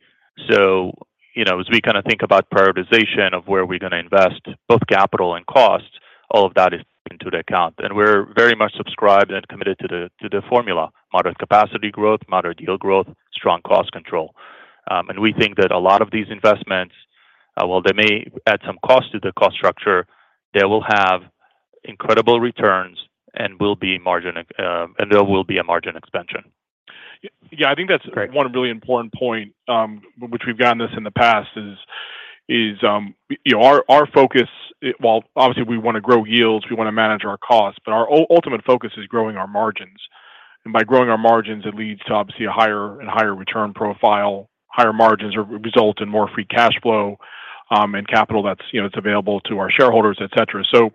So as we kind of think about prioritization of where we're going to invest, both capital and cost, all of that is taken into account. We're very much subscribed and committed to the formula: moderate capacity growth, moderate yield growth, strong cost control. We think that a lot of these investments, while they may add some cost to the cost structure, they will have incredible returns and will be margin, and there will be a margin expansion. Yeah. I think that's one really important point, which we've gotten this in the past, is our focus, well, obviously, we want to grow yields. We want to manage our costs. But our ultimate focus is growing our margins. And by growing our margins, it leads to, obviously, a higher return profile. Higher margins result in more free cash flow and capital that's available to our shareholders, etc. So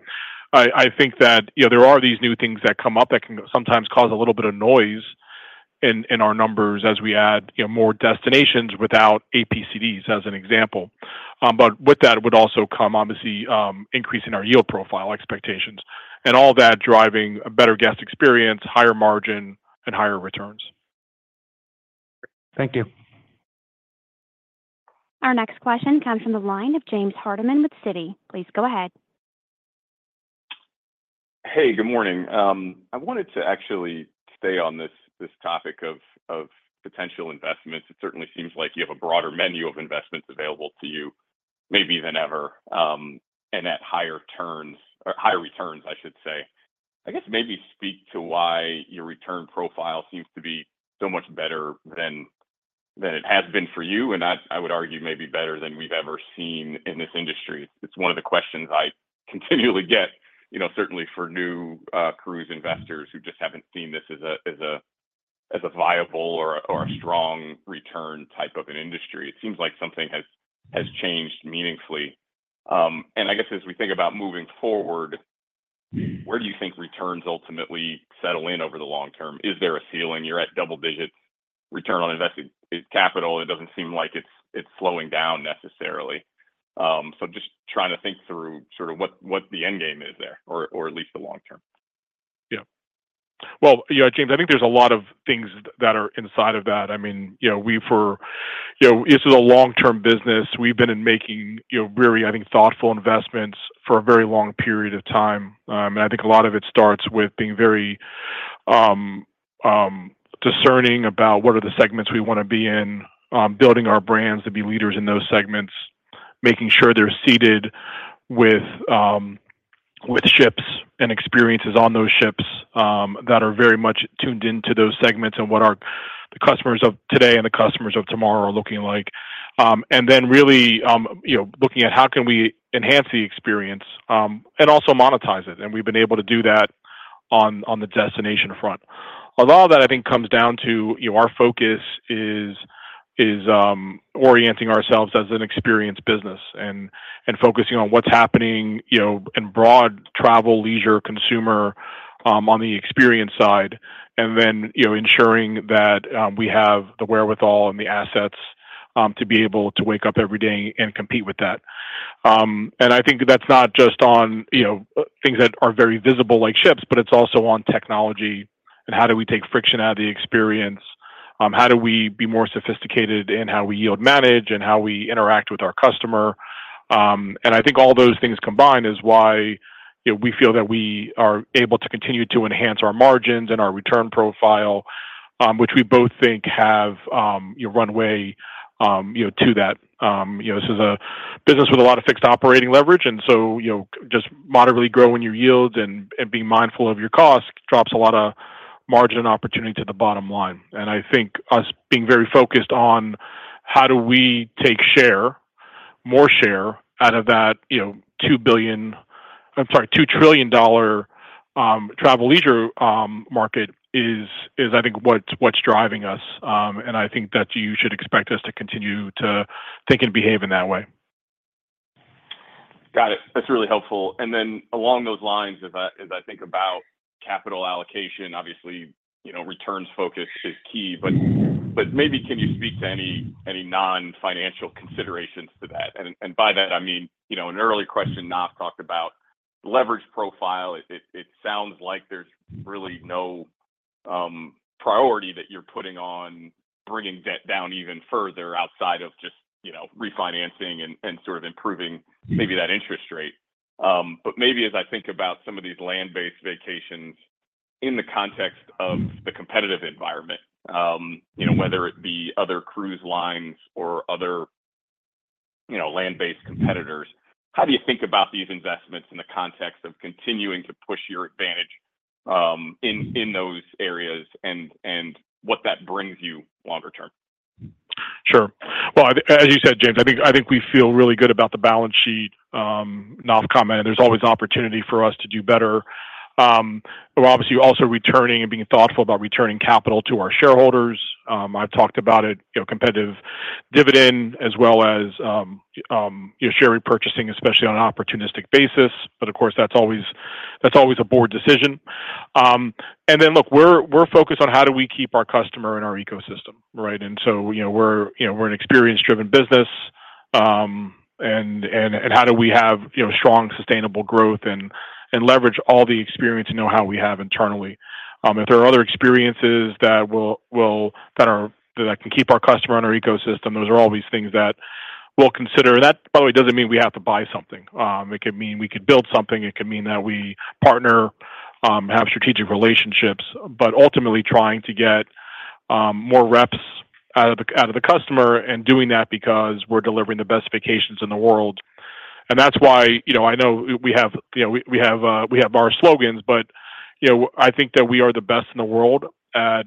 I think that there are these new things that come up that can sometimes cause a little bit of noise in our numbers as we add more destinations without APCDs, as an example. But with that would also come, obviously, increasing our yield profile expectations and all that driving a better guest experience, higher margin, and higher returns. Thank you. Our next question comes from the line of James Hardiman with Citi. Please go ahead. Hey, good morning. I wanted to actually stay on this topic of potential investments. It certainly seems like you have a broader menu of investments available to you maybe than ever and at higher returns, I should say. I guess maybe speak to why your return profile seems to be so much better than it has been for you, and I would argue maybe better than we've ever seen in this industry. It's one of the questions I continually get, certainly for new cruise investors who just haven't seen this as a viable or a strong return type of an industry. It seems like something has changed meaningfully, and I guess as we think about moving forward, where do you think returns ultimately settle in over the long term? Is there a ceiling? You're at double digits return on invested capital. It doesn't seem like it's slowing down necessarily, so just trying to think through sort of what the end game is there, or at least the long term. Yeah, well, James, I think there's a lot of things that are inside of that. I mean, for this is a long-term business. We've been making very, I think, thoughtful investments for a very long period of time. And I think a lot of it starts with being very discerning about what are the segments we want to be in, building our brands to be leaders in those segments, making sure they're suited with ships and experiences on those ships that are very much tuned into those segments and what the customers of today and the customers of tomorrow are looking like. And then really looking at how can we enhance the experience and also monetize it. And we've been able to do that on the destination front. A lot of that, I think, comes down to our focus is orienting ourselves as an experience business and focusing on what's happening in broad travel, leisure, consumer on the experience side, and then ensuring that we have the wherewithal and the assets to be able to wake up every day and compete with that. I think that's not just on things that are very visible like ships, but it's also on technology and how do we take friction out of the experience, how do we be more sophisticated in how we yield manage and how we interact with our customer. I think all those things combined is why we feel that we are able to continue to enhance our margins and our return profile, which we both think have runway to that. This is a business with a lot of fixed operating leverage. So just moderately growing your yields and being mindful of your costs drops a lot of margin opportunity to the bottom line. I think us being very focused on how do we take share, more share out of that $2 billion-I'm sorry, $2 trillion dollar travel leisure market is, I think, what's driving us. And I think that you should expect us to continue to think and behave in that way. Got it. That's really helpful. And then along those lines, as I think about capital allocation, obviously, returns focus is key. But maybe can you speak to any non-financial considerations to that? And by that, I mean, an earlier question Nav talked about leverage profile. It sounds like there's really no priority that you're putting on bringing debt down even further outside of just refinancing and sort of improving maybe that interest rate. But maybe as I think about some of these land-based vacations in the context of the competitive environment, whether it be other cruise lines or other land-based competitors, how do you think about these investments in the context of continuing to push your advantage in those areas and what that brings you longer term? Sure. As you said, James, well, I think we feel really good about the balance sheet. Naftali commented, there's always an opportunity for us to do better. We're obviously also returning and being thoughtful about returning capital to our shareholders. I've talked about it, competitive dividend as well as share repurchasing, especially on an opportunistic basis. But of course, that's always a board decision. And then look, we're focused on how do we keep our customer in our ecosystem, right? And so we're an experience-driven business. And how do we have strong, sustainable growth and leverage all the experience and know how we have internally? If there are other experiences that can keep our customer in our ecosystem, those are always things that we'll consider. And that, by the way, doesn't mean we have to buy something. It could mean we could build something. It could mean that we partner, have strategic relationships, but ultimately trying to get more reps out of the customer and doing that because we're delivering the best vacations in the world. And that's why I know we have our slogans, but I think that we are the best in the world at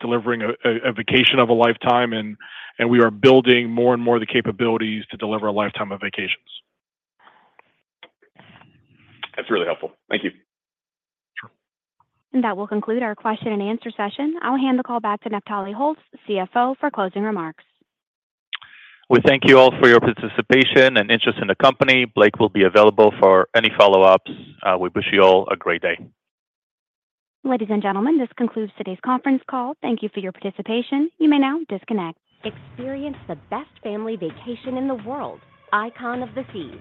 delivering a vacation of a lifetime, and we are building more and more the capabilities to deliver a lifetime of vacations. That's really helpful. Thank you. And that will conclude our question and answer session. I'll hand the call back to Naftali Holtz, CFO, for closing remarks. We thank you all for your participation and interest in the company. Blake will be available for any follow-ups. We wish you all a great day. Ladies and gentlemen, this concludes today's conference call. Thank you for your participation. You may now disconnect. Experience the best family vacation in the world, Icon of the Seas.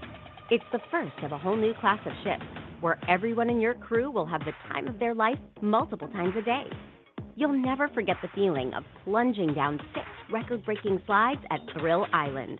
It's the first of a whole new class of ships where everyone in your crew will have the time of their life multiple times a day. You'll never forget the feeling of plunging down six record-breaking slides at Thrill Island.